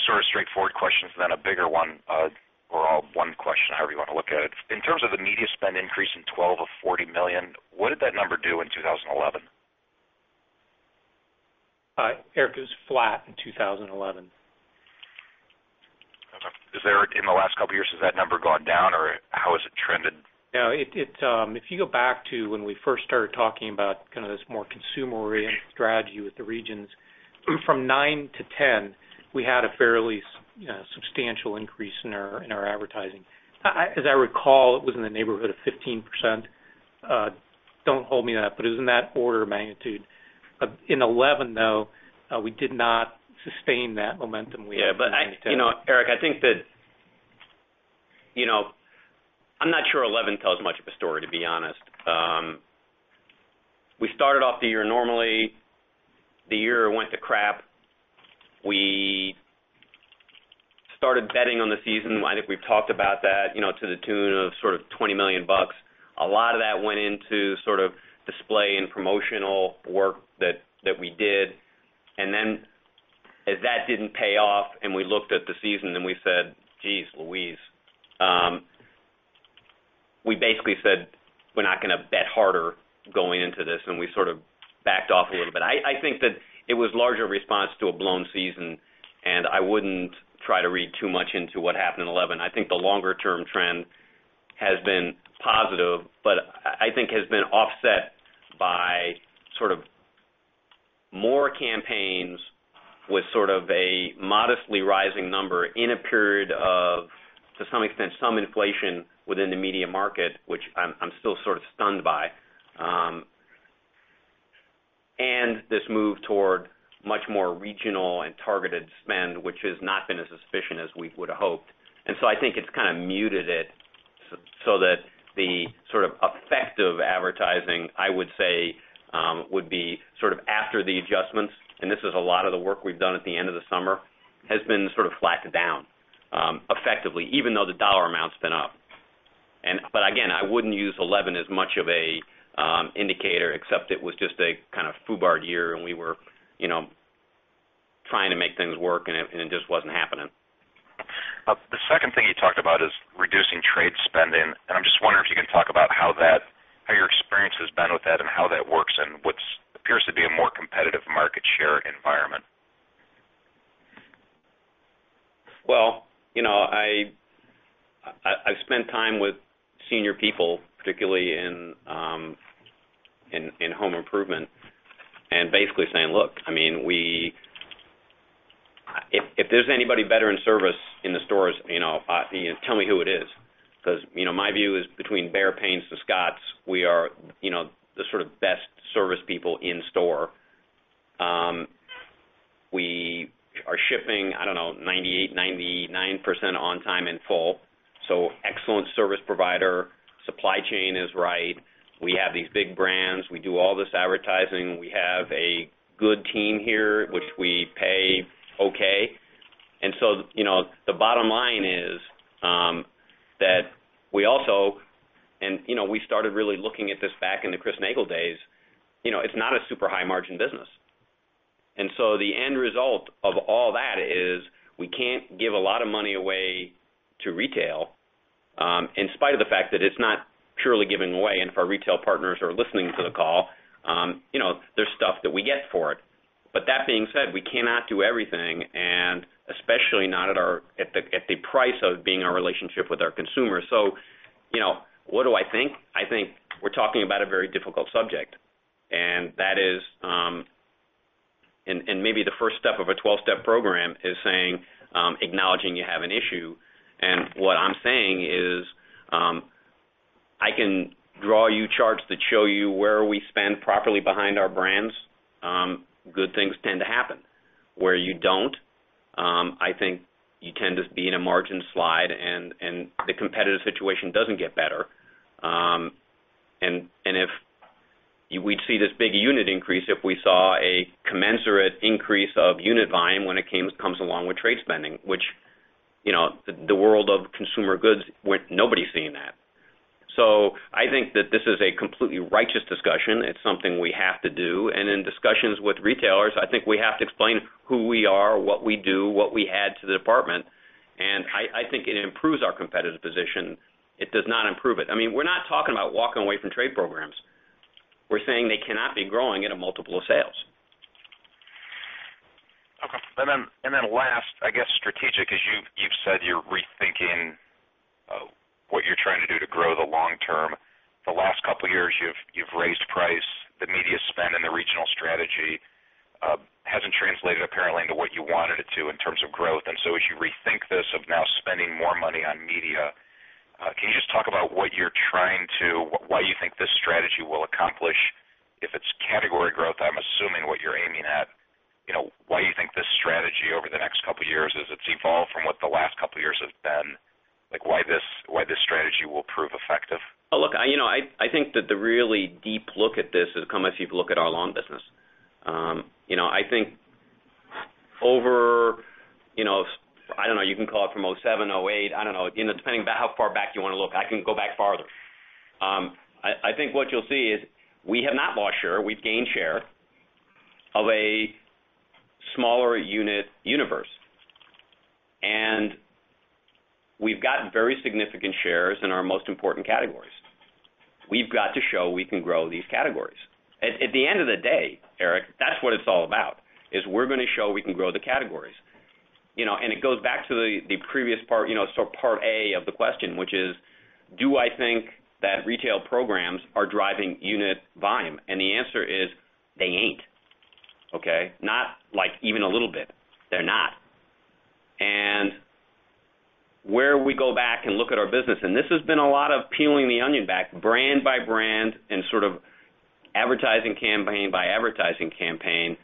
sort of straightforward questions and then a bigger one, or all one question, however you want to look at it. In terms of the media spend increase in 2012 of $40 million, what did that number do in 2011? Eric, it was flat in fiscal 2011. Okay. In the last couple of years, has that number gone down, or how has it trended? No. If you go back to when we first started talking about kind of this more consumer-oriented strategy with the regions, from 2009 to 2010, we had a fairly substantial increase in our advertising. As I recall, it was in the neighborhood of 15%. Don't hold me to that, but it was in that order of magnitude. In 2011, though, we did not sustain that momentum. Yeah, but you know, Eric, I think that, you know, I'm not sure 2011 tells much of a story, to be honest. We started off the year normally. The year went to crap. We started betting on the season. I think we've talked about that, you know, to the tune of sort of $20 million. A lot of that went into sort of display and promotional work that we did. That didn't pay off, and we looked at the season and we said, geez, Louise. We basically said we're not going to bet harder going into this, and we sort of backed off a little bit. I think that it was a larger response to a blown season, and I wouldn't try to read too much into what happened in 2011. I think the longer-term trend has been positive, but I think has been offset by sort of more campaigns with sort of a modestly rising number in a period of, to some extent, some inflation within the media market, which I'm still sort of stunned by. This move toward much more regional and targeted spend, which has not been as efficient as we would have hoped, has kind of muted it so that the sort of effective advertising, I would say, would be sort of after the adjustments. This is a lot of the work we've done at the end of the summer, has been sort of flattened down effectively, even though the dollar amount's been up. Again, I wouldn't use 2011 as much of an indicator, except it was just a kind of FUBAR year, and we were, you know, trying to make things work, and it just wasn't happening. The second thing you talked about is reducing trade spending, and I'm just wondering if you can talk about how that, how your experience has been with that and how that works and what appears to be a more competitive market share environment. You know, I've spent time with senior people, particularly in home improvement, and basically saying, look, if there's anybody better in service in the stores, tell me who it is. My view is between Behr Paints and Scotts, we are the sort of best service people in store. We are shipping, I don't know, 98%, 99% on time in full. Excellent service provider, supply chain is right. We have these big brands. We do all this advertising. We have a good team here, which we pay okay. The bottom line is that we also, and we started really looking at this back in the Chris Nagel days, it's not a super high margin business. The end result of all that is we can't give a lot of money away to retail, in spite of the fact that it's not purely giving away. If our retail partners are listening to the call, there's stuff that we get for it. That being said, we cannot do everything, and especially not at the price of being our relationship with our consumers. What do I think? I think we're talking about a very difficult subject. That is, and maybe the first step of a 12-step program is saying, acknowledging you have an issue. What I'm saying is I can draw you charts that show you where we spend properly behind our brands. Good things tend to happen. Where you don't, I think you tend to be in a margin slide, and the competitive situation doesn't get better. If we'd see this big unit increase, if we saw a commensurate increase of unit volume when it comes along with trade spending, which, in the world of consumer goods, nobody's seeing that. I think that this is a completely righteous discussion. It's something we have to do. In discussions with retailers, I think we have to explain who we are, what we do, what we add to the department. I think it improves our competitive position. It does not improve it. I mean, we're not talking about walking away from trade programs. We're saying they cannot be growing at a multiple of sales. Last, I guess strategic, as you've said you're rethinking what you're trying to do to grow the long term. The last couple of years, you've raised price. The media spend and the regional strategy hasn't translated apparently into what you wanted it to in terms of growth. As you rethink this of now spending more money on media, can you just talk about what you're trying to, why you think this strategy will accomplish if it's category growth, I'm assuming what you're aiming at. You know, why do you think this strategy over the next couple of years, as it's evolved from what the last couple of years have been, like why this strategy will prove effective? Look, I think that the really deep look at this has come as you've looked at our lawn business. I think over, I don't know, you can call it from 2007, 2008, depending on how far back you want to look, I can go back farther. I think what you'll see is we have not lost share. We've gained share of a smaller unit universe, and we've gotten very significant shares in our most important categories. We've got to show we can grow these categories. At the end of the day, Eric, that's what it's all about, is we're going to show we can grow the categories. It goes back to the previous part, sort of part A of the question, which is, do I think that retail programs are driving unit volume? The answer is they ain't. Not like even a little bit. They're not. Where we go back and look at our business, and this has been a lot of peeling the onion back, brand by brand and sort of advertising campaign by advertising campaign,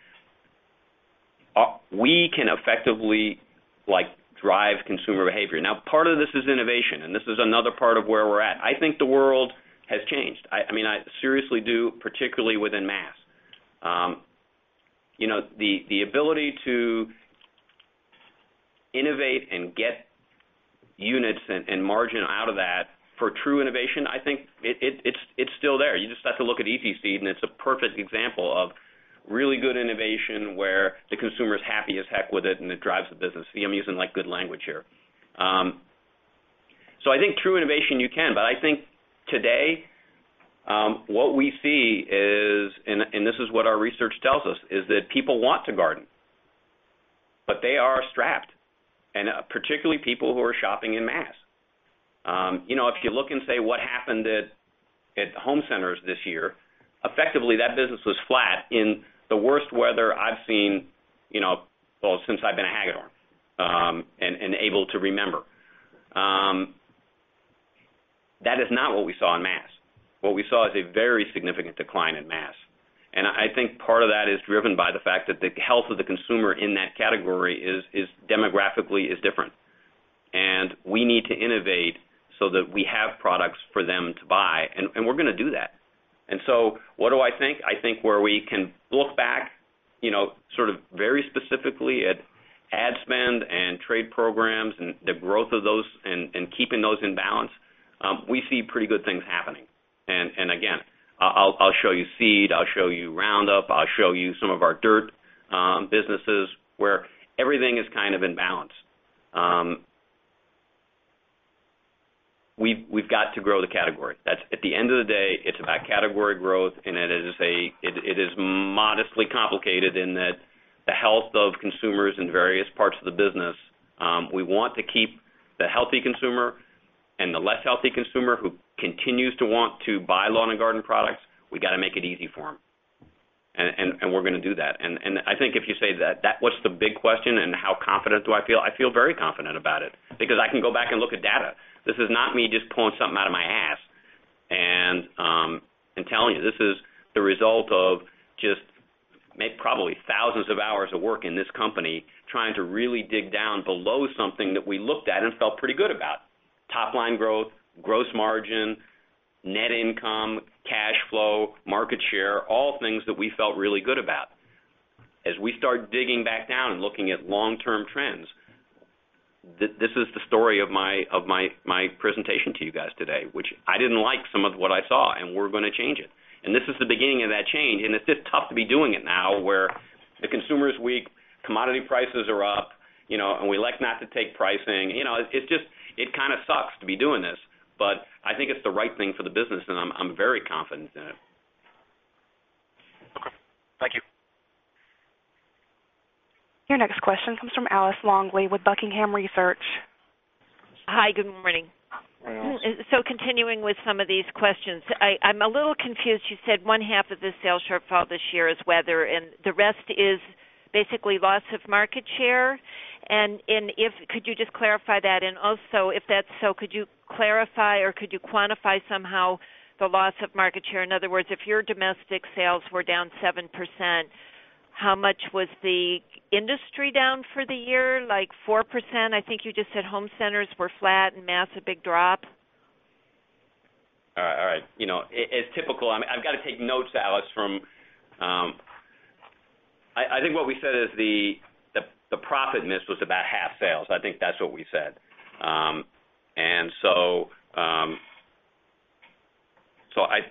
we can effectively drive consumer behavior. Part of this is innovation, and this is another part of where we're at. I think the world has changed. I seriously do, particularly within mass. The ability to innovate and get units and margin out of that for true innovation, I think it's still there. You just have to look at ETC, and it's a perfect example of really good innovation where the consumer is happy as heck with it, and it drives the business. See, I'm using good language here. I think true innovation, you can, but I think today, what we see is, and this is what our research tells us, is that people want to garden, but they are strapped, and particularly people who are shopping in mass. If you look and say, what happened at home centers this year, effectively, that business was flat in the worst weather I've seen since I've been a Hagedorn and able to remember. That is not what we saw in mass. What we saw is a very significant decline in mass. I think part of that is driven by the fact that the health of the consumer in that category is demographically different. We need to innovate so that we have products for them to buy, and we're going to do that. What do I think? I think where we can look back very specifically at ad spend and trade programs and the growth of those and keeping those in balance, we see pretty good things happening. I'll show you seed, I'll show you Roundup, I'll show you some of our dirt businesses where everything is kind of in balance. We've got to grow the category. At the end of the day, it's about category growth, and it is modestly complicated in that the health of consumers in various parts of the business, we want to keep the healthy consumer and the less healthy consumer who continues to want to buy Lawn and Garden products. We got to make it easy for them. We're going to do that. I think if you say that, what's the big question and how confident do I feel? I feel very confident about it because I can go back and look at data. This is not me just pulling something out of my ass and telling you. This is the result of just probably thousands of hours of work in this company trying to really dig down below something that we looked at and felt pretty good about: top-line growth, gross margin, net income, cash flow, market share, all things that we felt really good about. As we start digging back down and looking at long-term trends, this is the story of my presentation to you guys today, which I didn't like some of what I saw, and we're going to change it. This is the beginning of that change, and it's just tough to be doing it now where the consumer's weak, commodity prices are up, you know, and we elect not to take pricing. You know, it kind of sucks to be doing this, but I think it's the right thing for the business, and I'm very confident in it. Thank you. Your next question comes from Alice Longley with Buckingham Research. Hi, good morning. Continuing with some of these questions, I'm a little confused. You said 1/2 of the sales shortfall this year is weather, and the rest is basically loss of market share. Could you just clarify that? Also, if that's so, could you clarify or could you quantify somehow the loss of market share? In other words, if your domestic sales were down 7%, how much was the industry down for the year, like 4%? I think you just said home centers were flat and massive big drop. All right. It's typical. I've got to take notes, Alice, from I think what we said is the profit missed was about half sales. I think that's what we said, and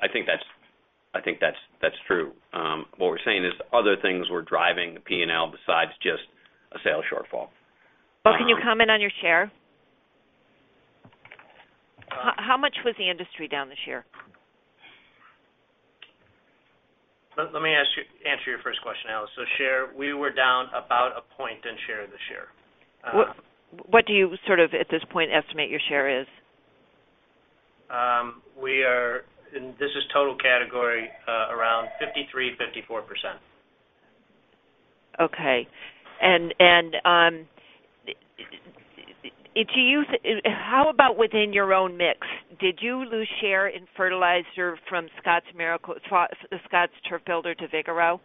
I think that's true. What we're saying is other things were driving the P&L besides just a sales shortfall. Can you comment on your share? How much was the industry down this year? Let me answer your first question, Alice. We were down about a point in share this year. What do you sort of at this point estimate your share is? We are, and this is total category, around 53%-54%. Okay. Do you, how about within your own mix? Did you lose share in fertilizer from Scotts Turf Builder to Vigoro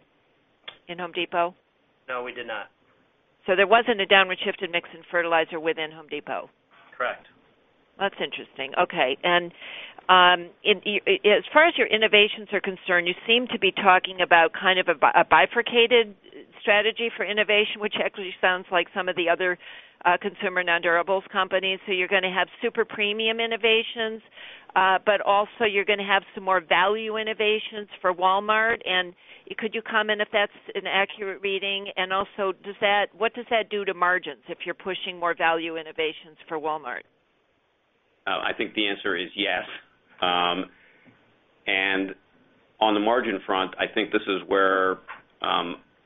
in Home Depot? No, we did not. There wasn't a downward shift in mix in fertilizer within Home Depot? Correct. That's interesting. Okay. As far as your innovations are concerned, you seem to be talking about kind of a bifurcated strategy for innovation, which actually sounds like some of the other consumer non-durables companies. You are going to have super premium innovations, but also you are going to have some more value innovations for Walmart. Could you comment if that's an accurate reading? Also, what does that do to margins if you are pushing more value innovations for Walmart? I think the answer is yes. On the margin front, I think this is where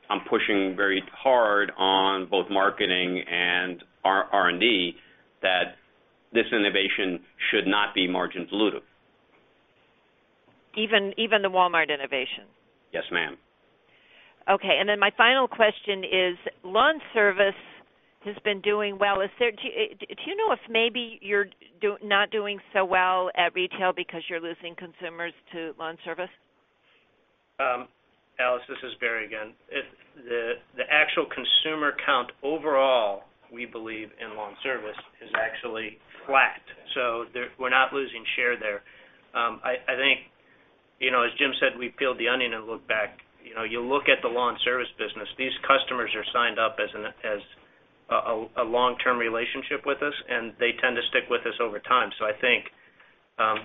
I'm pushing very hard on both marketing and R&D that this innovation should not be margin dilutive. Even the Walmart innovation? Yes, ma'am. Okay. My final question is, LawnService has been doing well. Do you know if maybe you're not doing so well at retail because you're losing consumers to LawnService? Alice, this is Barry again. The actual consumer count overall, we believe in LawnService is actually flat. We're not losing share there. I think, as Jim said, we peeled the onion and looked back. You look at the LawnService business, these customers are signed up as a long-term relationship with us, and they tend to stick with us over time. I think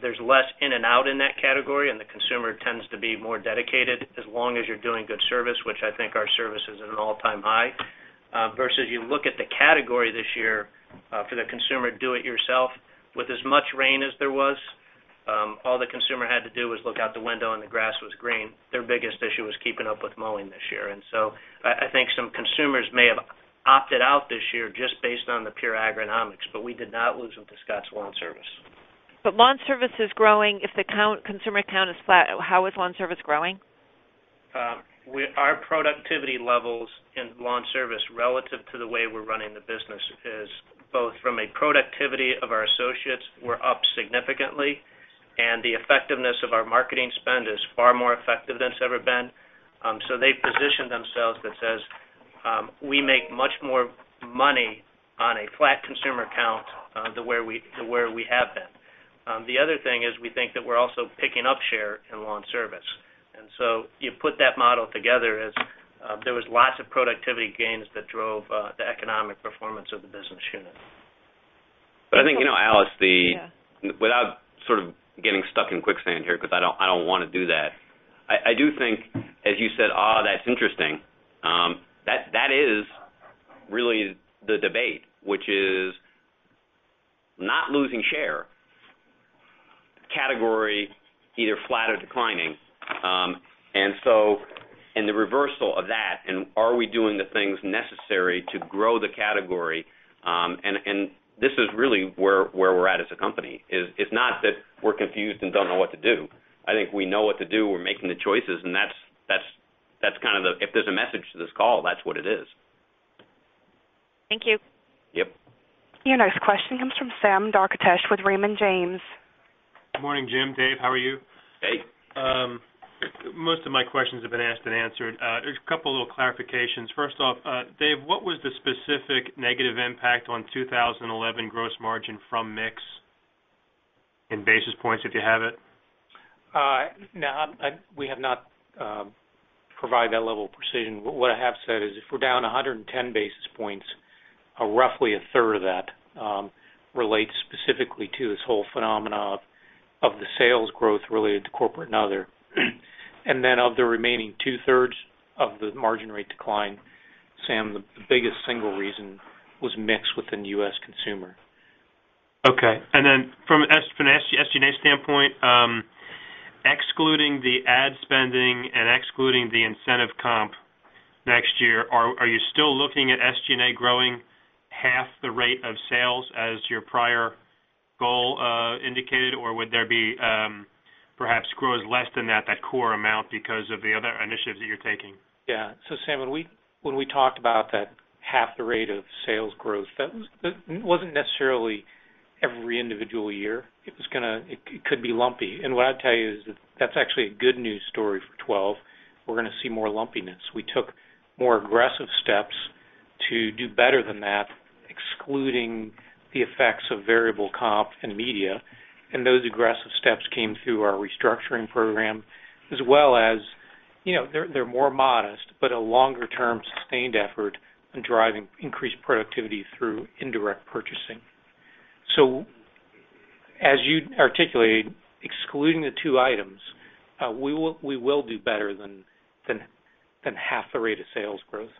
there's less in and out in that category, and the consumer tends to be more dedicated as long as you're doing good service, which I think our service is at an all-time high. Versus you look at the category this year for the consumer do-it-yourself, with as much rain as there was, all the consumer had to do was look out the window and the grass was green. Their biggest issue was keeping up with mowing this year. I think some consumers may have opted out this year just based on the pure agronomics, but we did not lose them to Scotts LawnService. LawnService is growing if the consumer count is flat. How is LawnService growing? Our productivity levels in LawnService relative to the way we're running the business is both from a productivity of our associates, we're up significantly, and the effectiveness of our marketing spend is far more effective than it's ever been. They position themselves that says we make much more money on a flat consumer count than where we have been. The other thing is we think that we're also picking up share in LawnService. You put that model together as there were lots of productivity gains that drove the economic performance of the business unit. I think, you know, Alice, without sort of getting stuck in quicksand here, because I don't want to do that, I do think, as you said, that's interesting. That is really the debate, which is not losing share, category either flat or declining. The reversal of that, and are we doing the things necessary to grow the category? This is really where we're at as a company. It's not that we're confused and don't know what to do. I think we know what to do. We're making the choices, and that's kind of the, if there's a message to this call, that's what it is. Thank you. Yep. Your next question comes from Sam Darkatsh with Raymond James. Good morning, Jim. Dave, how are you? Hey. Most of my questions have been asked and answered. There's a couple of little clarifications. First off, Dave, what was the specific negative impact on 2011 gross margin from mix in basis points if you have it? No, we have not provided that level of precision. What I have said is if we're down 110 basis points, roughly 1/3 of that relates specifically to this whole phenomenon of the sales growth related to corporate and other. Of the remaining 2/3 of the margin rate decline, Sam, the biggest single reason was mix within the U.S. consumer. Okay. From an SG&A standpoint, excluding the ad spending and excluding the incentive comp next year, are you still looking at SG&A growing half the rate of sales as your prior goal indicated, or would there be perhaps growth less than that, that core amount because of the other initiatives that you're taking? Yeah. Sam, when we talked about that half the rate of sales growth, that wasn't necessarily every individual year. It was going to, it could be lumpy. What I'd tell you is that that's actually a good news story for 2012. We're going to see more lumpiness. We took more aggressive steps to do better than that, excluding the effects of variable comp and media. Those aggressive steps came through our restructuring program, as well as, you know, they're more modest, but a longer-term sustained effort in driving increased productivity through indirect purchasing. As you articulated, excluding the two items, we will do better than half the rate of sales growth.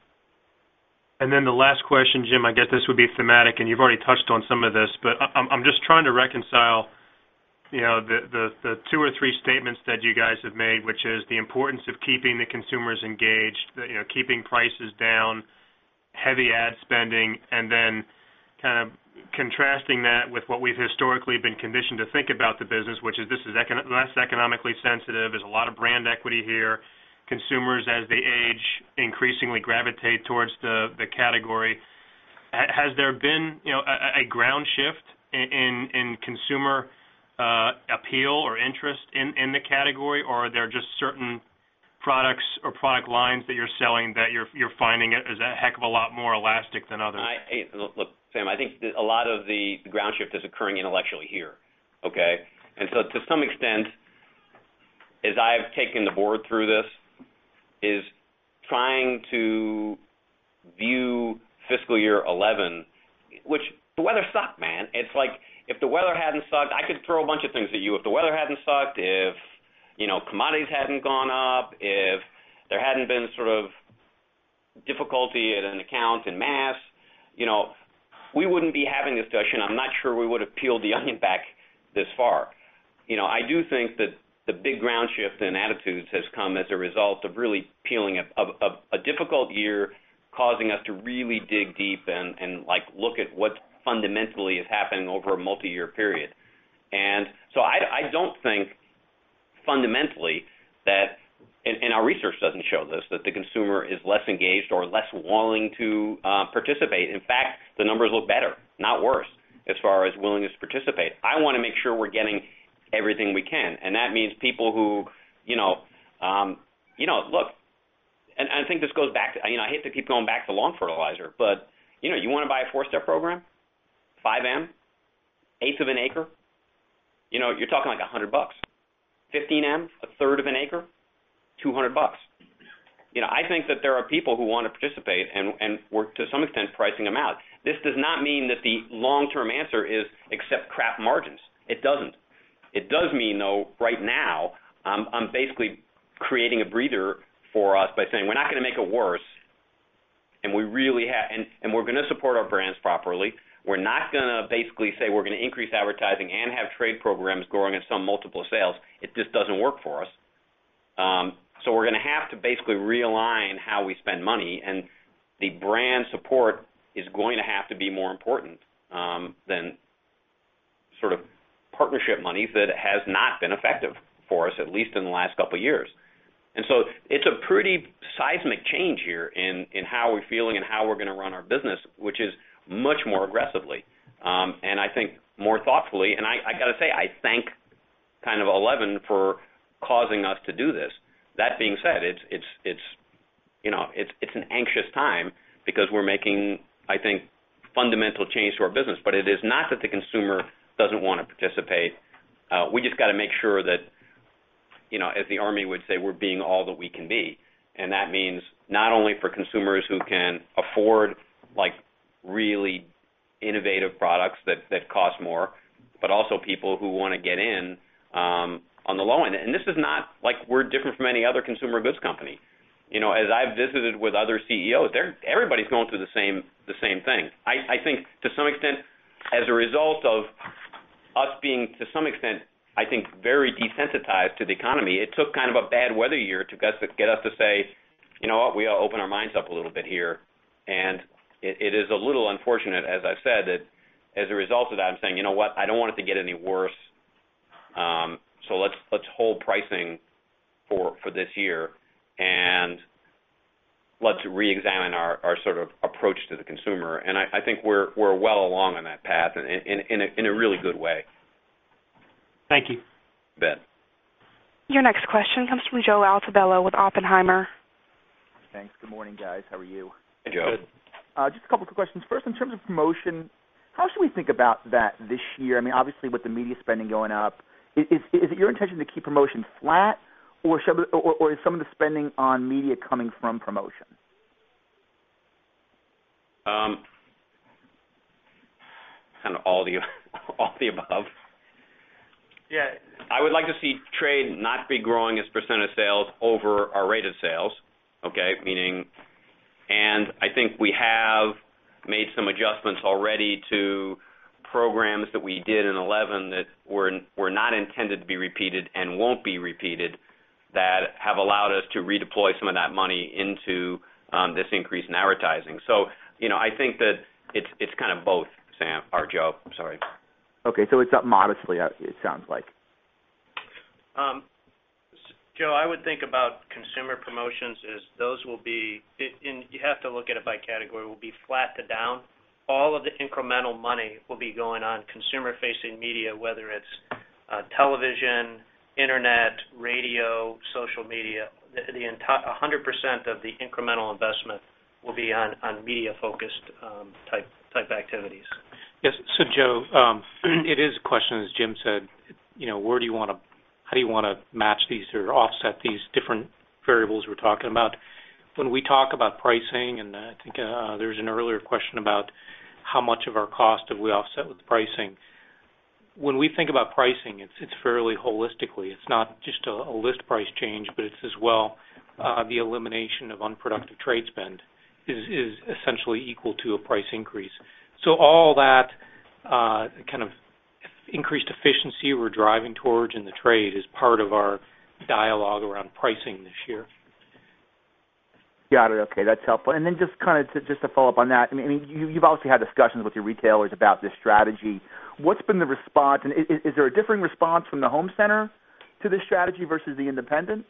The last question, Jim, I guess this would be thematic, and you've already touched on some of this, but I'm just trying to reconcile the two or three statements that you guys have made, which is the importance of keeping the consumers engaged, keeping prices down, heavy ad spending, and then kind of contrasting that with what we've historically been conditioned to think about the business, which is this is less economically sensitive. There's a lot of brand equity here. Consumers, as they age, increasingly gravitate towards the category. Has there been a ground shift in consumer appeal or interest in the category, or are there just certain products or product lines that you're selling that you're finding as a heck of a lot more elastic than others? Look, Sam, I think a lot of the ground shift is occurring intellectually here, okay? To some extent, as I've taken the board through this, it is trying to view fiscal 2011, which the weather sucked, man. It's like if the weather hadn't sucked, I could throw a bunch of things at you. If the weather hadn't sucked, if, you know, commodity costs hadn't gone up, if there hadn't been sort of difficulty at an account in mass, you know, we wouldn't be having this discussion. I'm not sure we would have peeled the onion back this far. I do think that the big ground shift in attitudes has come as a result of really peeling a difficult year, causing us to really dig deep and look at what fundamentally is happening over a multi-year period. I don't think fundamentally that, and our research doesn't show this, that the consumer is less engaged or less willing to participate. In fact, the numbers look better, not worse, as far as willingness to participate. I want to make sure we're getting everything we can. That means people who, you know, look, and I think this goes back to, I hate to keep going back to lawn fertilizer, but you know, you want to buy a four-step program, 5M, 1/8 of an acre, you're talking like $100. 15M, 1/3 of an acre, $200. I think that there are people who want to participate and we're, to some extent, pricing them out. This does not mean that the long-term answer is accept crap margins. It doesn't. It does mean, though, right now, I'm basically creating a breather for us by saying we're not going to make it worse, and we really have, and we're going to support our brands properly. We're not going to basically say we're going to increase advertising and have trade programs growing at some multiple of sales. It just doesn't work for us. We are going to have to basically realign how we spend money, and the brand support is going to have to be more important than sort of partnership money that has not been effective for us, at least in the last couple of years. It's a pretty seismic change here in how we're feeling and how we're going to run our business, which is much more aggressively. I think more thoughtful. I got to say, I thank kind of 2011 for causing us to do this. That being said, it's an anxious time because we're making, I think, fundamental change to our business. It is not that the consumer doesn't want to participate. We just got to make sure that, you know, as the Army would say, we're being all that we can be. That means not only for consumers who can afford, like, really innovative products that cost more, but also people who want to get in on the low end. This is not like we're different from any other consumer goods company. As I've visited with other CEOs, everybody's going through the same thing. I think to some extent, as a result of us being, to some extent, very desensitized to the economy, it took kind of a bad weather year to get us to say, you know what, we open our minds up a little bit here. It is a little unfortunate, as I've said, that as a result of that, I'm saying, you know what, I don't want it to get any worse. Let's hold pricing for this year and let's reexamine our sort of approach to the consumer. I think we're well along on that path and in a really good way. Thank you. You bet. Your next question comes from Joe Altobello with Oppenheimer. Thanks. Good morning, guys. How are you? Good. Just a couple of quick questions. First, in terms of promotion, how should we think about that this year? I mean, obviously, with the media spending going up, is it your intention to keep promotion flat, or is some of the spending on media coming from promotion? Kind of all of the above. Yeah. I would like to see trade not be growing as % of sales over our rated sales, okay? Meaning, I think we have made some adjustments already to programs that we did in 2011 that were not intended to be repeated and won't be repeated that have allowed us to redeploy some of that money into this increase in advertising. I think that it's kind of both, Sam or Joe. I'm sorry. Okay, it's up modestly, it sounds like. Joe, I would think about consumer promotions as those will be, and you have to look at it by category, will be flat to down. All of the incremental money will be going on consumer-facing media, whether it's television, internet, radio, social media. The entire 100% of the incremental investment will be on media-focused type activities. Yes. Joe, it is a question, as Jim said, you know, where do you want to, how do you want to match these or offset these different variables we're talking about? When we talk about pricing, and I think there was an earlier question about how much of our cost have we offset with pricing. When we think about pricing, it's fairly holistically. It's not just a list price change, but it's as well the elimination of unproductive trade spend is essentially equal to a price increase. All that kind of increased efficiency we're driving towards in the trade is part of our dialogue around pricing this year. Got it. Okay. That's helpful. Just to follow up on that, I mean, you've obviously had discussions with your retailers about this strategy. What's been the response? Is there a differing response from the home center to the strategy versus the independent?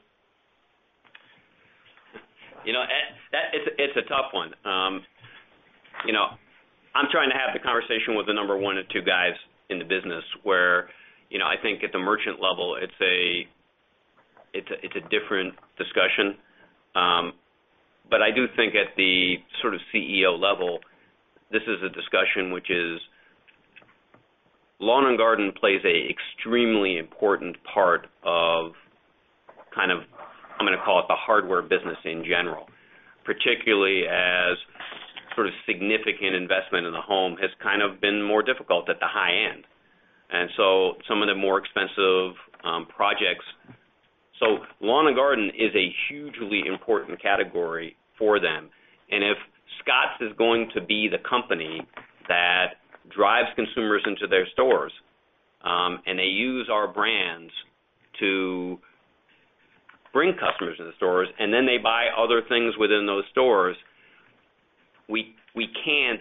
It's a tough one. I'm trying to have the conversation with the number one or two guys in the business where I think at the merchant level, it's a different discussion. I do think at the sort of CEO level, this is a discussion which is Lawn and Garden plays an extremely important part of, I'm going to call it, the hardware business in general, particularly as significant investment in the home has kind of been more difficult at the high end and some of the more expensive projects. Lawn and Garden is a hugely important category for them. If Scotts is going to be the company that drives consumers into their stores and they use our brands to bring customers in the stores and then they buy other things within those stores, we can't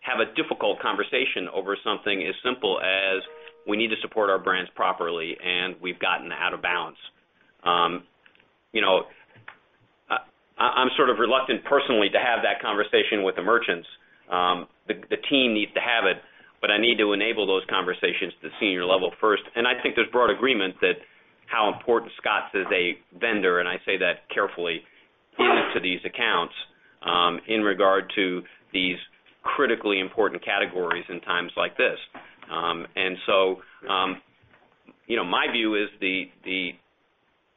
have a difficult conversation over something as simple as we need to support our brands properly and we've gotten out of balance. I'm sort of reluctant personally to have that conversation with the merchants. The team needs to have it, but I need to enable those conversations at the senior level first. I think there's broad agreement that how important Scotts is as a vendor, and I say that carefully, is to these accounts in regard to these critically important categories in times like this. My view is the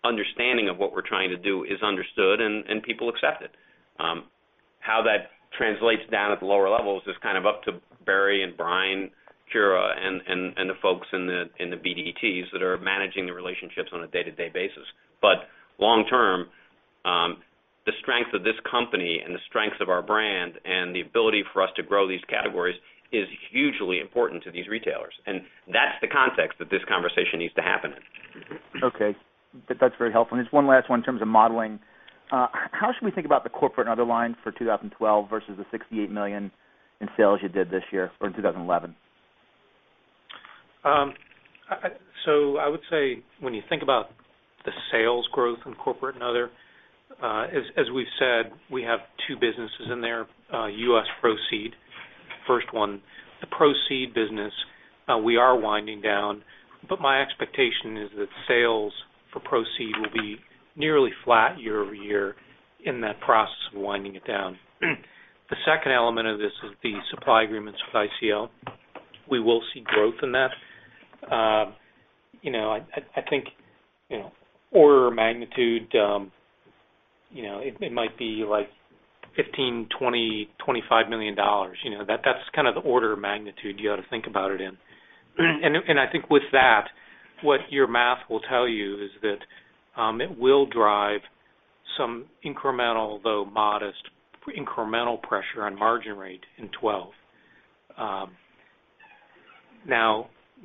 understanding of what we're trying to do is understood and people accept it. How that translates down at the lower levels is kind of up to Barry and Brian Kura, and the folks in the BDTs that are managing the relationships on a day-to-day basis. Long-term, the strength of this company and the strength of our brand and the ability for us to grow these categories is hugely important to these retailers. That's the context that this conversation needs to happen in. Okay. That's very helpful. Just one last one in terms of modeling. How should we think about the corporate and other line for 2012 versus the $68 million in sales you did this year or in 2011? I would say when you think about the sales growth in corporate and other, as we've said, we have two businesses in there, U.S. Pro-Seed, the first one. The Pro-Seed business, we are winding down, but my expectation is that sales for Pro-Seed will be nearly flat year-over-year in that process of winding it down. The second element of this is the supply agreements with ICL. We will see growth in that. I think, order of magnitude, it might be like $15 million, $20 million, $25 million. That's kind of the order of magnitude you ought to think about it in. I think with that, what your math will tell you is that it will drive some incremental, though modest, incremental pressure on margin rate in 2012.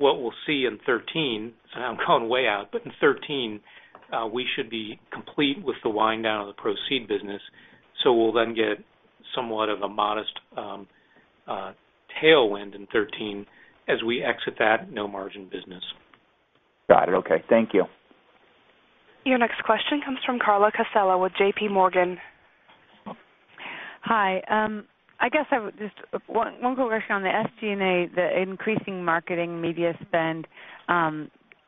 What we'll see in 2013, I'm going way out, but in 2013, we should be complete with the wind-down of the Pro-Seed business. We'll then get somewhat of a modest tailwind in 2013 as we exit that no margin business. Got it. Okay, thank you. Your next question comes from Carla Casella with JPMorgan. Hi. I guess I would just ask one quick question on the SG&A, the increasing marketing media spend.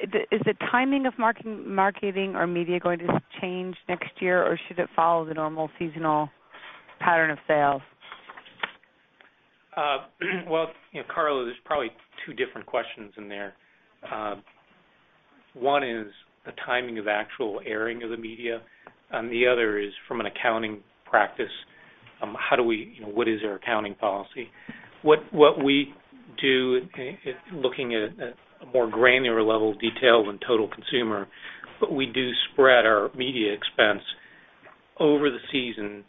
Is the timing of marketing or media going to change next year, or should it follow the normal seasonal pattern of sales? You know, Carla, there's probably two different questions in there. One is the timing of actual airing of the media. The other is from an accounting practice. How do we, you know, what is our accounting policy? What we do, looking at a more granular level, detailed and total consumer, but we do spread our media expense over the season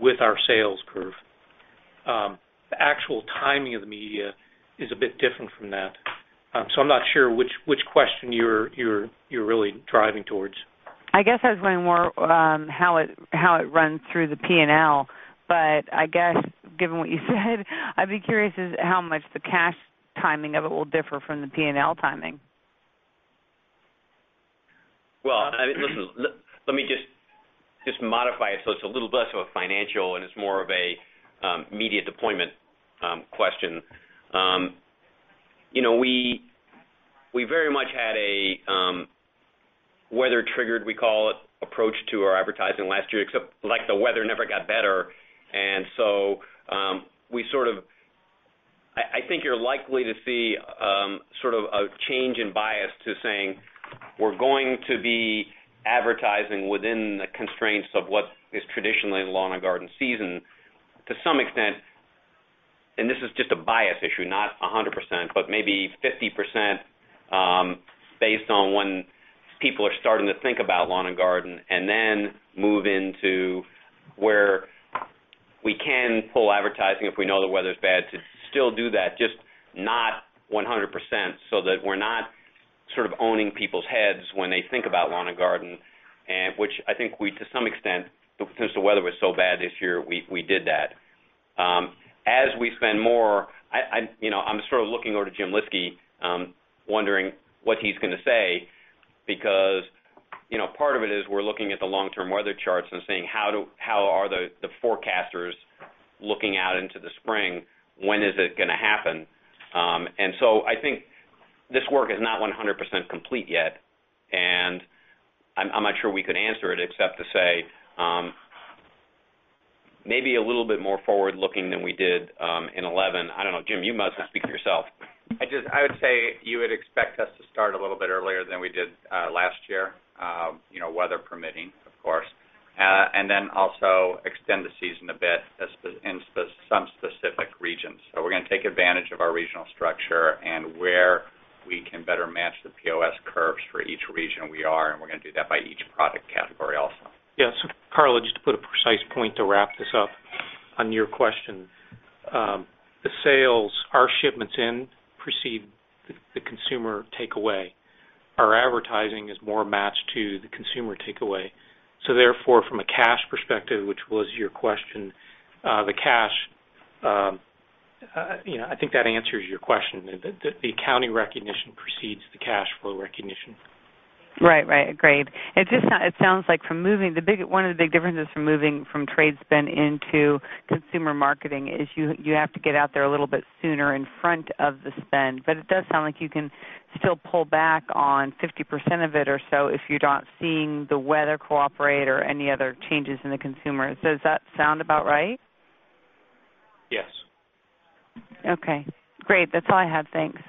with our sales curve. The actual timing of the media is a bit different from that. I'm not sure which question you're really driving towards. I guess I was going more on how it runs through the P&L, but I guess given what you said, I'd be curious as to how much the cash timing of it will differ from the P&L timing. Let me just modify it so it's a little less of a financial and it's more of a media deployment question. You know, we very much had a weather-triggered, we call it, approach to our advertising last year, except like the weather never got better. We sort of, I think you're likely to see sort of a change in bias to saying we're going to be advertising within the constraints of what is traditionally in Lawn and Garden season to some extent. This is just a bias issue, not 100%, but maybe 50% based on when people are starting to think about Lawn and Garden and then move into where we can pull advertising if we know the weather's bad to still do that, just not 100% so that we're not sort of owning people's heads when they think about Lawn and Garden, which I think we, to some extent, since the weather was so bad this year, we did that. As we spend more, you know, I'm sort of looking over to Jim Lyski, wondering what he's going to say because, you know, part of it is we're looking at the long-term weather charts and saying how are the forecasters looking out into the spring? When is it going to happen? I think this work is not 100% complete yet. I'm not sure we could answer it except to say maybe a little bit more forward-looking than we did in 2011. I don't know. Jim, you must speak for yourself. I would say you would expect us to start a little bit earlier than we did last year, weather permitting, of course, and also extend the season a bit in some specific regions. We are going to take advantage of our regional structure where we can better match the POS curves for each region we are, and we are going to do that by each product category also. Yeah. Carla, just to put a precise point to wrap this up on your question, the sales, our shipments in preceded the consumer takeaway. Our advertising is more matched to the consumer takeaway. Therefore, from a cash perspective, which was your question, the cash, I think that answers your question. The accounting recognition precedes the cash flow recognition. Right. Agreed. It just sounds like from moving, one of the big differences from moving from trade spend into consumer marketing is you have to get out there a little bit sooner in front of the spend. It does sound like you can still pull back on 50% of it or so if you're not seeing the weather cooperate or any other changes in the consumer. Does that sound about right? Yes. Okay. Great. That's all I have. Thanks.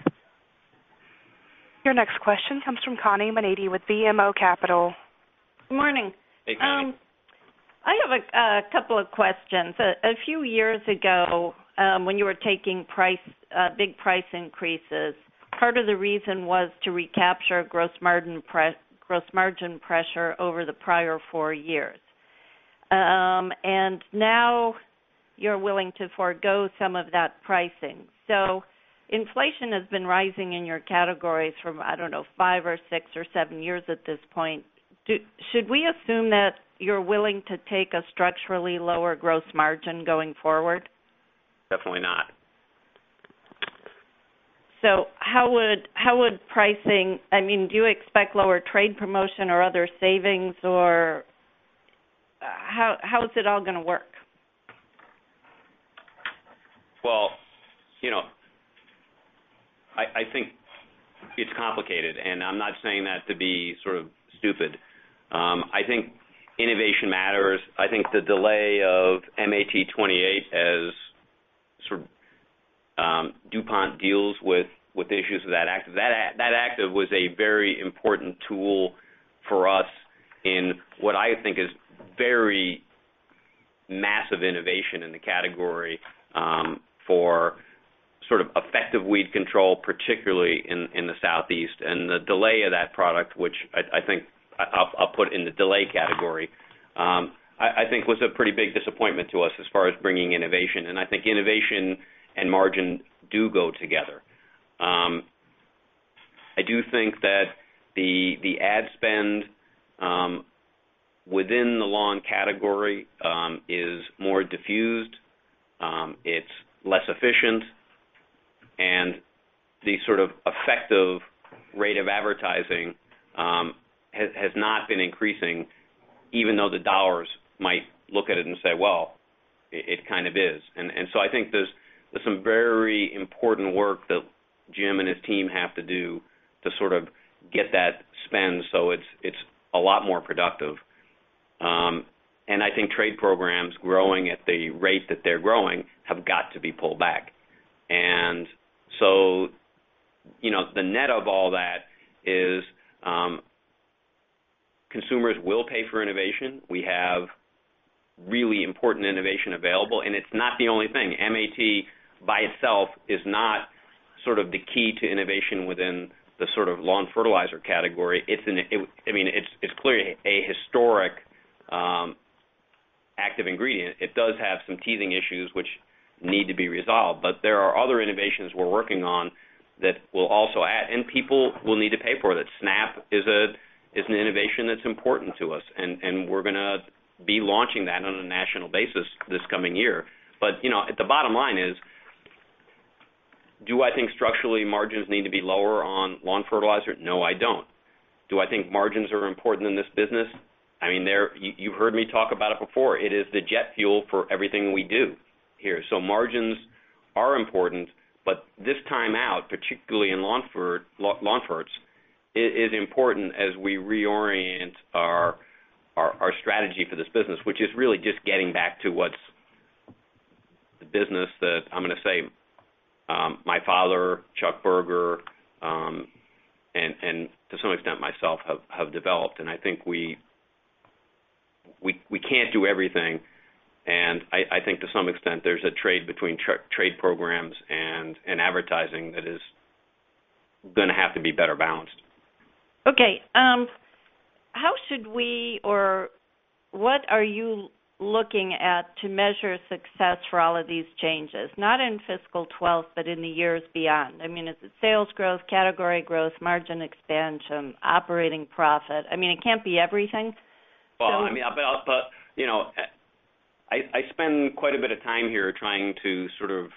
Your next question comes from Connie Maneaty with BMO Capital. Good morning. Hey, Connie. I have a couple of questions. A few years ago, when you were taking big price increases, part of the reason was to recapture gross margin pressure over the prior four years. Now you're willing to forego some of that pricing. Inflation has been rising in your categories from, I don't know, five or six or seven years at this point. Should we assume that you're willing to take a structurally lower gross margin going forward? Definitely not. How would pricing, I mean, do you expect lower trade promotion or other savings, or how is it all going to work? I think it's complicated. I'm not saying that to be sort of stupid. I think innovation matters. I think the delay of MAT-28 as sort of DuPont deals with issues of that active. That active was a very important tool for us in what I think is very massive innovation in the category for sort of effective weed control, particularly in the Southeast. The delay of that product, which I think I'll put in the delay category, was a pretty big disappointment to us as far as bringing innovation. I think innovation and margin do go together. I do think that the ad spend within the lawn category is more diffused. It's less efficient, and the sort of effective rate of advertising has not been increasing, even though the dollars might look at it and say, well, it kind of is. I think there's some very important work that Jim and his team have to do to sort of get that spend so it's a lot more productive. I think trade programs growing at the rate that they're growing have got to be pulled back. The net of all that is consumers will pay for innovation. We have really important innovation available. It's not the only thing. MAT by itself is not sort of the key to innovation within the sort of lawn fertilizer category. I mean, it's clearly a historic active ingredient. It does have some teething issues which need to be resolved. There are other innovations we're working on that will also add, and people will need to pay for that. SNAP is an innovation that's important to us, and we're going to be launching that on a national basis this coming year. The bottom line is, do I think structurally margins need to be lower on lawn fertilizer? No, I don't. Do I think margins are important in this business? I mean, you've heard me talk about it before. It is the jet fuel for everything we do here. Margins are important, but this time out, particularly in lawn fertilizer, is important as we reorient our strategy for this business, which is really just getting back to what's the business that I'm going to say my father, Chuck Berger, and to some extent myself have developed. I think we can't do everything. I think to some extent there's a trade between trade programs and advertising that is going to have to be better balanced. Okay. How should we, or what are you looking at to measure success for all of these changes, not in fiscal 2012, but in the years beyond? I mean, is it sales growth, category growth, margin expansion, operating profit? I mean, it can't be everything. I spend quite a bit of time here trying to sort of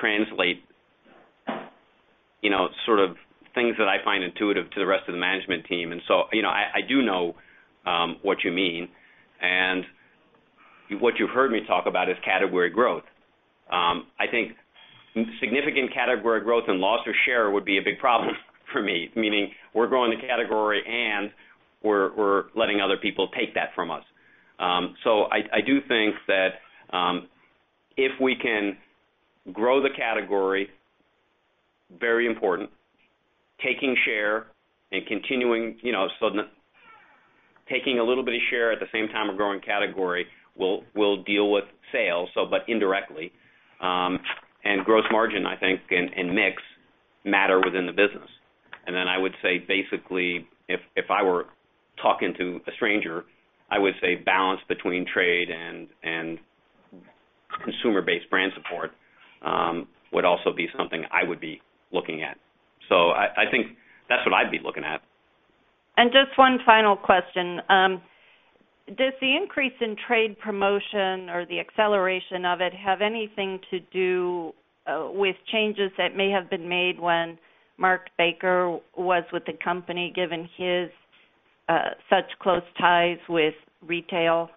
translate things that I find intuitive to the rest of the management team. I do know what you mean. What you've heard me talk about is category growth. I think significant category growth and loss of share would be a big problem for me, meaning we're growing the category and we're letting other people take that from us. I do think that if we can grow the category, very important, taking share and continuing, taking a little bit of share at the same time we're growing category will deal with sales, but indirectly. Gross margin, I think, and mix matter within the business. I would say basically, if I were talking to a stranger, I would say balance between trade and consumer-based brand support would also be something I would be looking at. I think that's what I'd be looking at. Does the increase in trade promotion or the acceleration of it have anything to do with changes that may have been made when Mark Baker was with the company, given his such close ties with retail?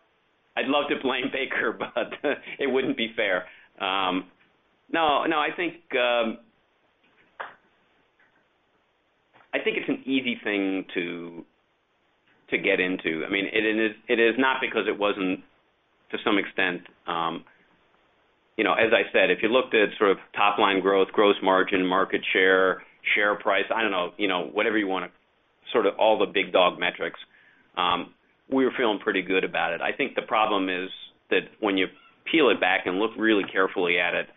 I'd love to blame Baker, but it wouldn't be fair. No, I think it's an easy thing to get into. I mean, it is not because it wasn't to some extent, you know, as I said, if you looked at sort of top-line growth, gross margin, market share, share price, I don't know, whatever you want to sort of all the big dog metrics, we were feeling pretty good about it. I think the problem is that when you peel it back and look really carefully at it,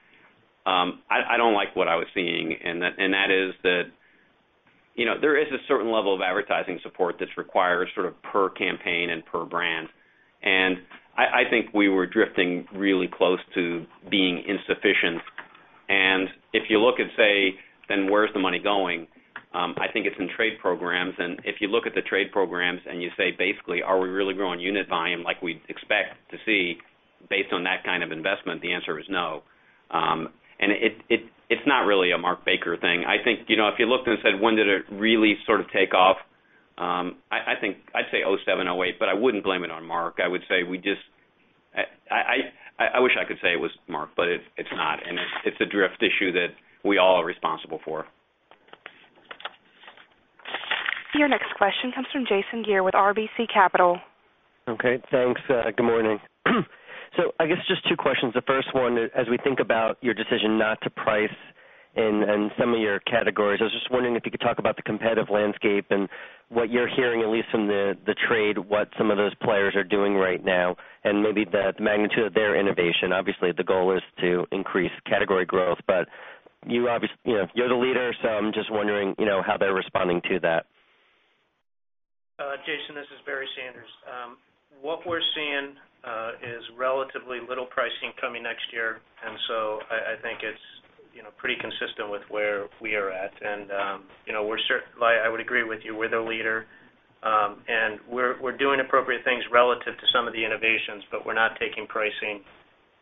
I don't like what I was seeing. That is that, you know, there is a certain level of advertising support that's required sort of per campaign and per brand. I think we were drifting really close to being insufficient. If you look at, say, then where's the money going? I think it's in trade programs. If you look at the trade programs and you say, basically, are we really growing unit volume like we'd expect to see based on that kind of investment? The answer is no. It's not really a Mark Baker thing. I think, you know, if you looked and said, when did it really sort of take off? I think I'd say 2007, 2008, but I wouldn't blame it on Mark. I would say we just, I wish I could say it was Mark, but it's not. It's a drift issue that we all are responsible for. Your next question comes from Jason Gere with RBC Capital. Okay. Thanks. Good morning. I guess just two questions. The first one, as we think about your decision not to price in some of your categories, I was just wondering if you could talk about the competitive landscape and what you're hearing, at least from the trade, what some of those players are doing right now and maybe the magnitude of their innovation. Obviously, the goal is to increase category growth, but you obviously, you know, you're the leader, so I'm just wondering how they're responding to that. Jason, this is Barry Sanders. What we're seeing is relatively little pricing coming next year. I think it's pretty consistent with where we are at. I would agree with you, we're the leader, and we're doing appropriate things relative to some of the innovations, but we're not taking pricing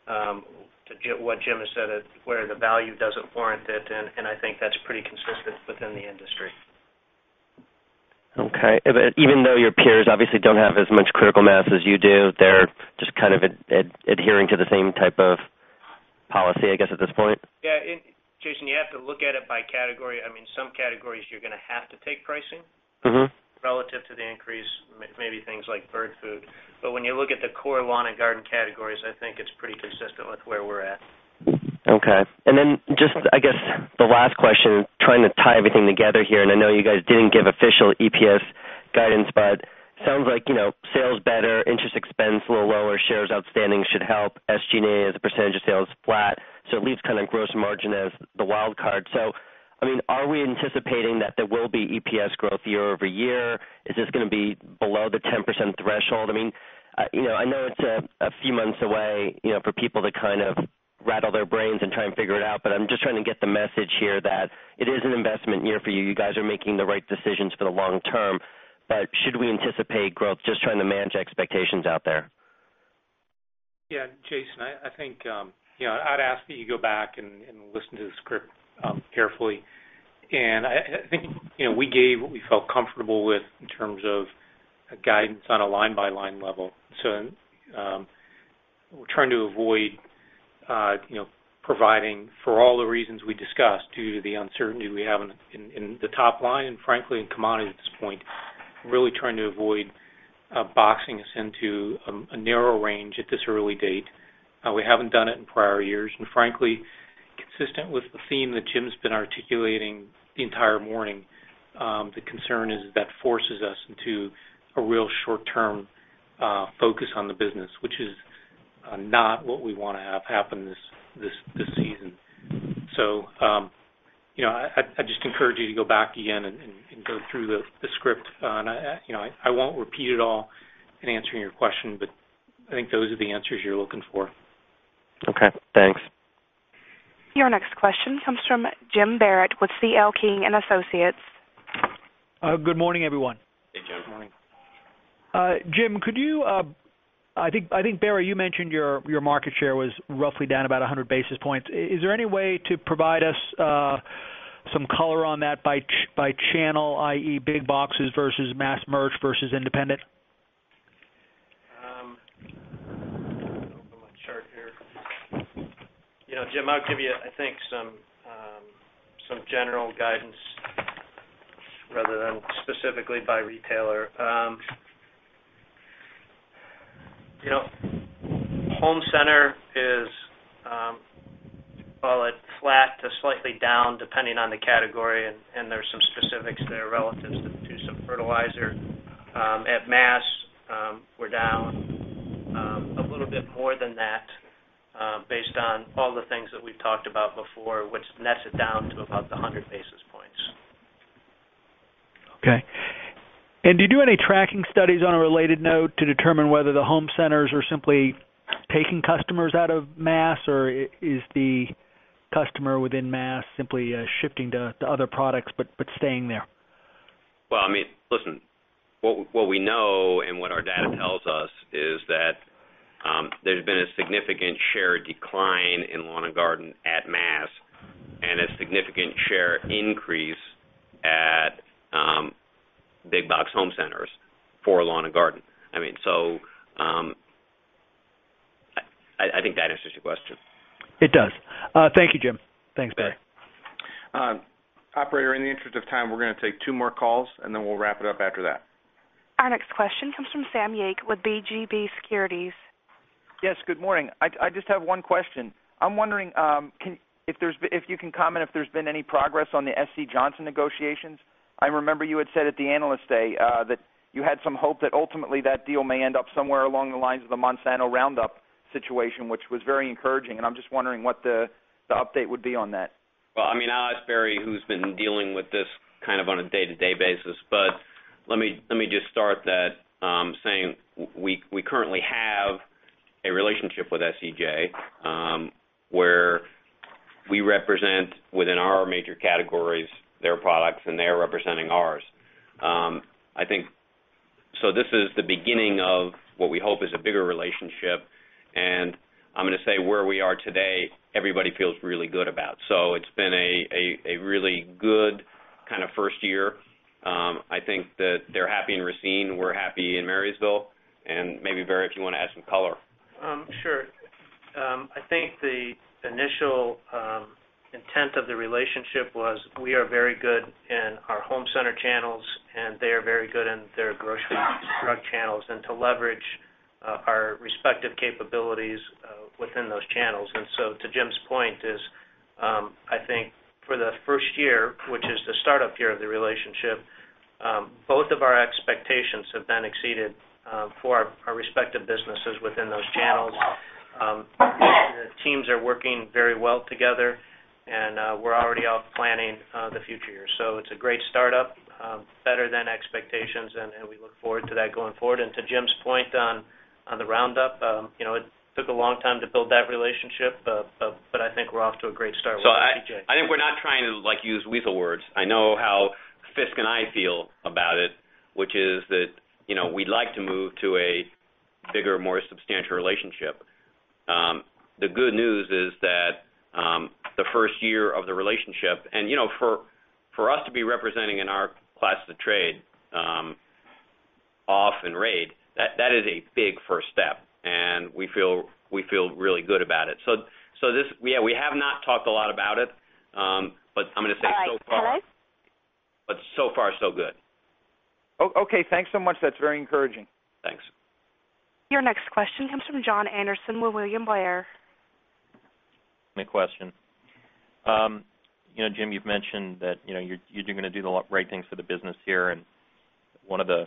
to what Jim has said where the value doesn't warrant it. I think that's pretty consistent within the industry. Okay. Even though your peers obviously don't have as much critical mass as you do, they're just kind of adhering to the same type of policy, I guess, at this point? Yeah. Jason, you have to look at it by category. I mean, some categories you're going to have to take pricing relative to the increase, maybe things like bird food. When you look at the core Lawn and Garden categories, I think it's pretty consistent with where we're at. Okay. Just, I guess, the last question, trying to tie everything together here, and I know you guys didn't give official EPS guidance, but it sounds like, you know, sales better, interest expense a little lower, shares outstanding should help. SG&A as a percentage of sales is flat. It leaves kind of gross margin as the wild card. I mean, are we anticipating that there will be EPS growth year-over-year? Is this going to be below the 10% threshold? I know it's a few months away, you know, for people to kind of rattle their brains and try and figure it out, but I'm just trying to get the message here that it is an investment year for you. You guys are making the right decisions for the long-term. Should we anticipate growth just trying to manage expectations out there? Yeah. Jason, I think you know, I'd ask that you go back and listen to the script carefully. I think we gave what we felt comfortable with in terms of guidance on a line-by-line level. We are trying to avoid, for all the reasons we discussed due to the uncertainty we have in the top line and frankly in commodity at this point, really trying to avoid boxing us into a narrow range at this early date. We haven't done it in prior years. Frankly, consistent with the theme that Jim's been articulating the entire morning, the concern is that forces us into a real short-term focus on the business, which is not what we want to have happen this season. I just encourage you to go back again and go through the script. I won't repeat it all in answering your question, but I think those are the answers you're looking for. Okay. Thanks. Your next question comes from Jim Barrett with C.L. King & Associates. Good morning, everyone. Hey, Jim. Good morning. Jim, could you, I think Barry, you mentioned your market share was roughly down about 100%. Is there any way to provide us some color on that by channel, i.e., big boxes versus mass merch versus independent? Open my chart here. You know, Jim, I'll give you, I think, some general guidance rather than specifically by retailer. You know, home center is flat to slightly down depending on the category, and there's some specifics there relative to some fertilizer. At mass, we're down a little bit more than that based on all the things that we've talked about before, which nets it down to about the 100%. Okay. Do you do any tracking studies on a related note to determine whether the home centers are simply taking customers out of mass, or is the customer within mass simply shifting to other products but staying there? I mean, listen, what we know and what our data tells us is that there's been a significant share decline in Lawn and Garden at mass and a significant share increase at big box home centers for Lawn and Garden. I mean, I think that answers your question. It does. Thank you, Jim. Thanks, Barry. Operator, in the interest of time, we're going to take two more calls, and then we'll wrap it up after that. Our next question comes from Sam Yake with BGB Securities. Yes, good morning. I just have one question. I'm wondering if you can comment if there's been any progress on the SC Johnson negotiations. I remember you had said at the analyst day that you had some hope that ultimately that deal may end up somewhere along the lines of the Monsanto Roundup situation, which was very encouraging. I'm just wondering what the update would be on that. I will ask Barry, who's been dealing with this kind of on a day-to-day basis. Let me just start by saying we currently have a relationship with SCJ where we represent within our major categories their products and they're representing ours. I think this is the beginning of what we hope is a bigger relationship. Where we are today, everybody feels really good about it. It's been a really good kind of first year. I think that they're happy in Racine. We're happy in Marysville. Maybe, Barry, if you want to add some color. Sure. I think the initial intent of the relationship was we are very good in our home center channels, and they are very good in their grocery drug channels, and to leverage our respective capabilities within those channels. To Jim's point, I think for the first year, which is the startup year of the relationship, both of our expectations have been exceeded for our respective businesses within those channels. The teams are working very well together, and we're already off planning the future year. It's a great startup, better than expectations, and we look forward to that going forward. To Jim's point on the Roundup, it took a long time to build that relationship, but I think we're off to a great start with SCJ. I think we're not trying to use weasel words. I know how Fisk and I feel about it, which is that we'd like to move to a bigger, more substantial relationship. The good news is that the first year of the relationship, and for us to be representing in our class of the trade off and raid, that is a big first step. We feel really good about it. We have not talked a lot about it, but I'm going to say so far. So far, so good. Okay, thanks so much. That's very encouraging. Thanks. Your next question comes from Jon Andersen with William Blair. My question. Jim, you've mentioned that you're going to do the right things for the business here. One of the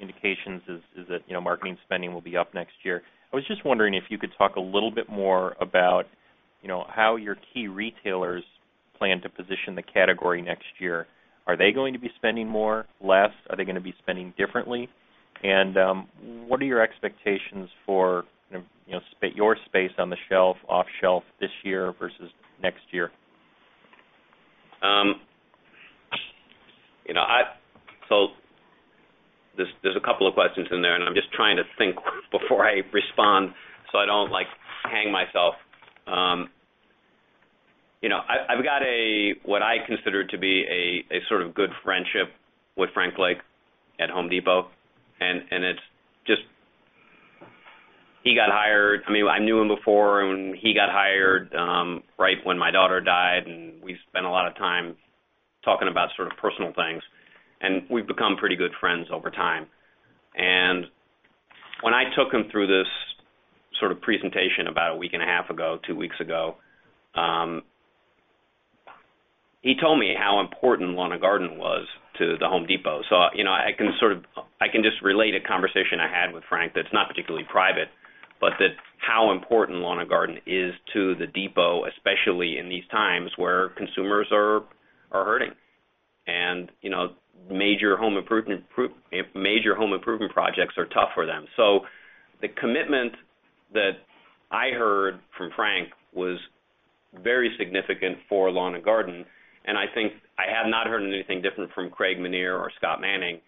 indications is that marketing spending will be up next year. I was just wondering if you could talk a little bit more about how your key retailers plan to position the category next year. Are they going to be spending more, less? Are they going to be spending differently? What are your expectations for your space on the shelf, off-shelf this year versus next year? There's a couple of questions in there, and I'm just trying to think before I respond so I don't hang myself. I've got what I consider to be a sort of good friendship with Frank Blake at Home Depot. He got hired—I knew him before when he got hired, right when my daughter died, and we spent a lot of time talking about personal things. We've become pretty good friends over time. When I took him through this presentation about a week and a half ago, two weeks ago, he told me how important Lawn and Garden was to the Home Depot. I can just relate a conversation I had with Frank that's not particularly private, but that shows how important Lawn and Garden is to the Depot, especially in these times where consumers are hurting and major home improvement projects are tough for them. The commitment that I heard from Frank was very significant for Lawn and Garden. I have not heard anything different from Craig Menear or Scott Manning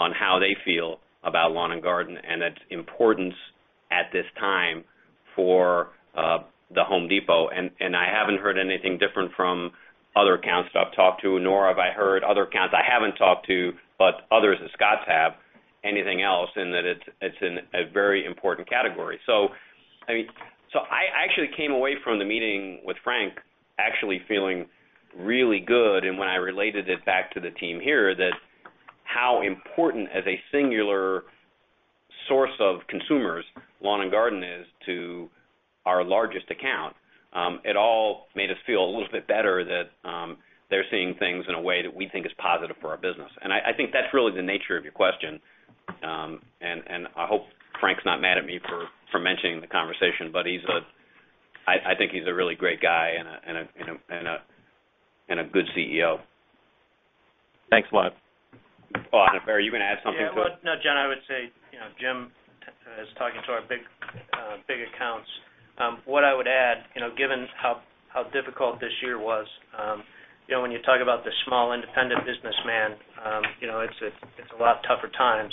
on how they feel about Lawn and Garden and its importance at this time for the Home Depot. I haven't heard anything different from other accounts that I've talked to, nor have I heard from other accounts I haven't talked to, but others at Scotts have, anything else in that it's a very important category. I actually came away from the meeting with Frank feeling really good. When I related it back to the team here, how important as a singular source of consumers Lawn and Garden is to our largest account, it all made us feel a little bit better that they're seeing things in a way that we think is positive for our business. I think that's really the nature of your question. I hope Frank's not mad at me for mentioning the conversation, but I think he's a really great guy and a good CEO. Thanks a lot. Barry, are you going to add something? No, Jim, I would say, you know, Jim is talking to our big accounts. What I would add, given how difficult this year was, when you talk about the small independent businessman, it's a lot tougher times.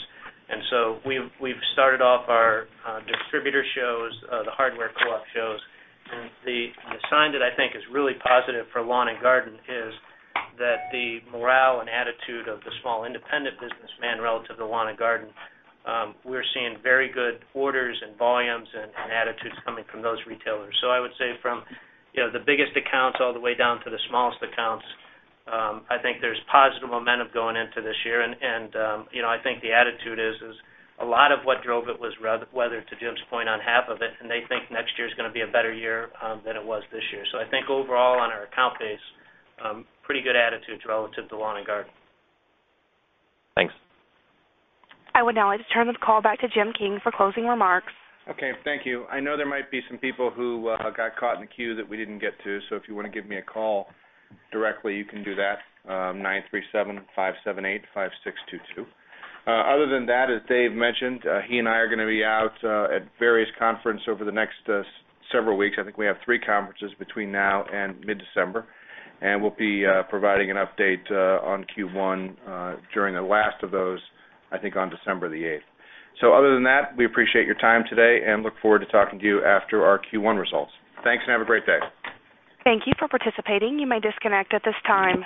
We have started off our distributor shows, the hardware co-op shows. The sign that I think is really positive for Lawn and Garden is that the morale and attitude of the small independent businessman relative to Lawn and Garden, we're seeing very good orders and volumes and attitudes coming from those retailers. I would say from the biggest accounts all the way down to the smallest accounts, I think there's positive momentum going into this year. I think the attitude is a lot of what drove it, rather to Jim's point, on half of it. They think next year is going to be a better year than it was this year. I think overall on our account base, pretty good attitudes relative to Lawn and Garden. Thanks. I would now like to turn this call back to Jim King for closing remarks. Okay. Thank you. I know there might be some people who got caught in the queue that we didn't get to. If you want to give me a call directly, you can do that: 937-578-5622. Other than that, as Dave mentioned, he and I are going to be out at various conferences over the next several weeks. I think we have three conferences between now and mid-December. We'll be providing an update on Q1 during the last of those, I think on December the 8th. Other than that, we appreciate your time today and look forward to talking to you after our Q1 results. Thanks and have a great day. Thank you for participating. You may disconnect at this time.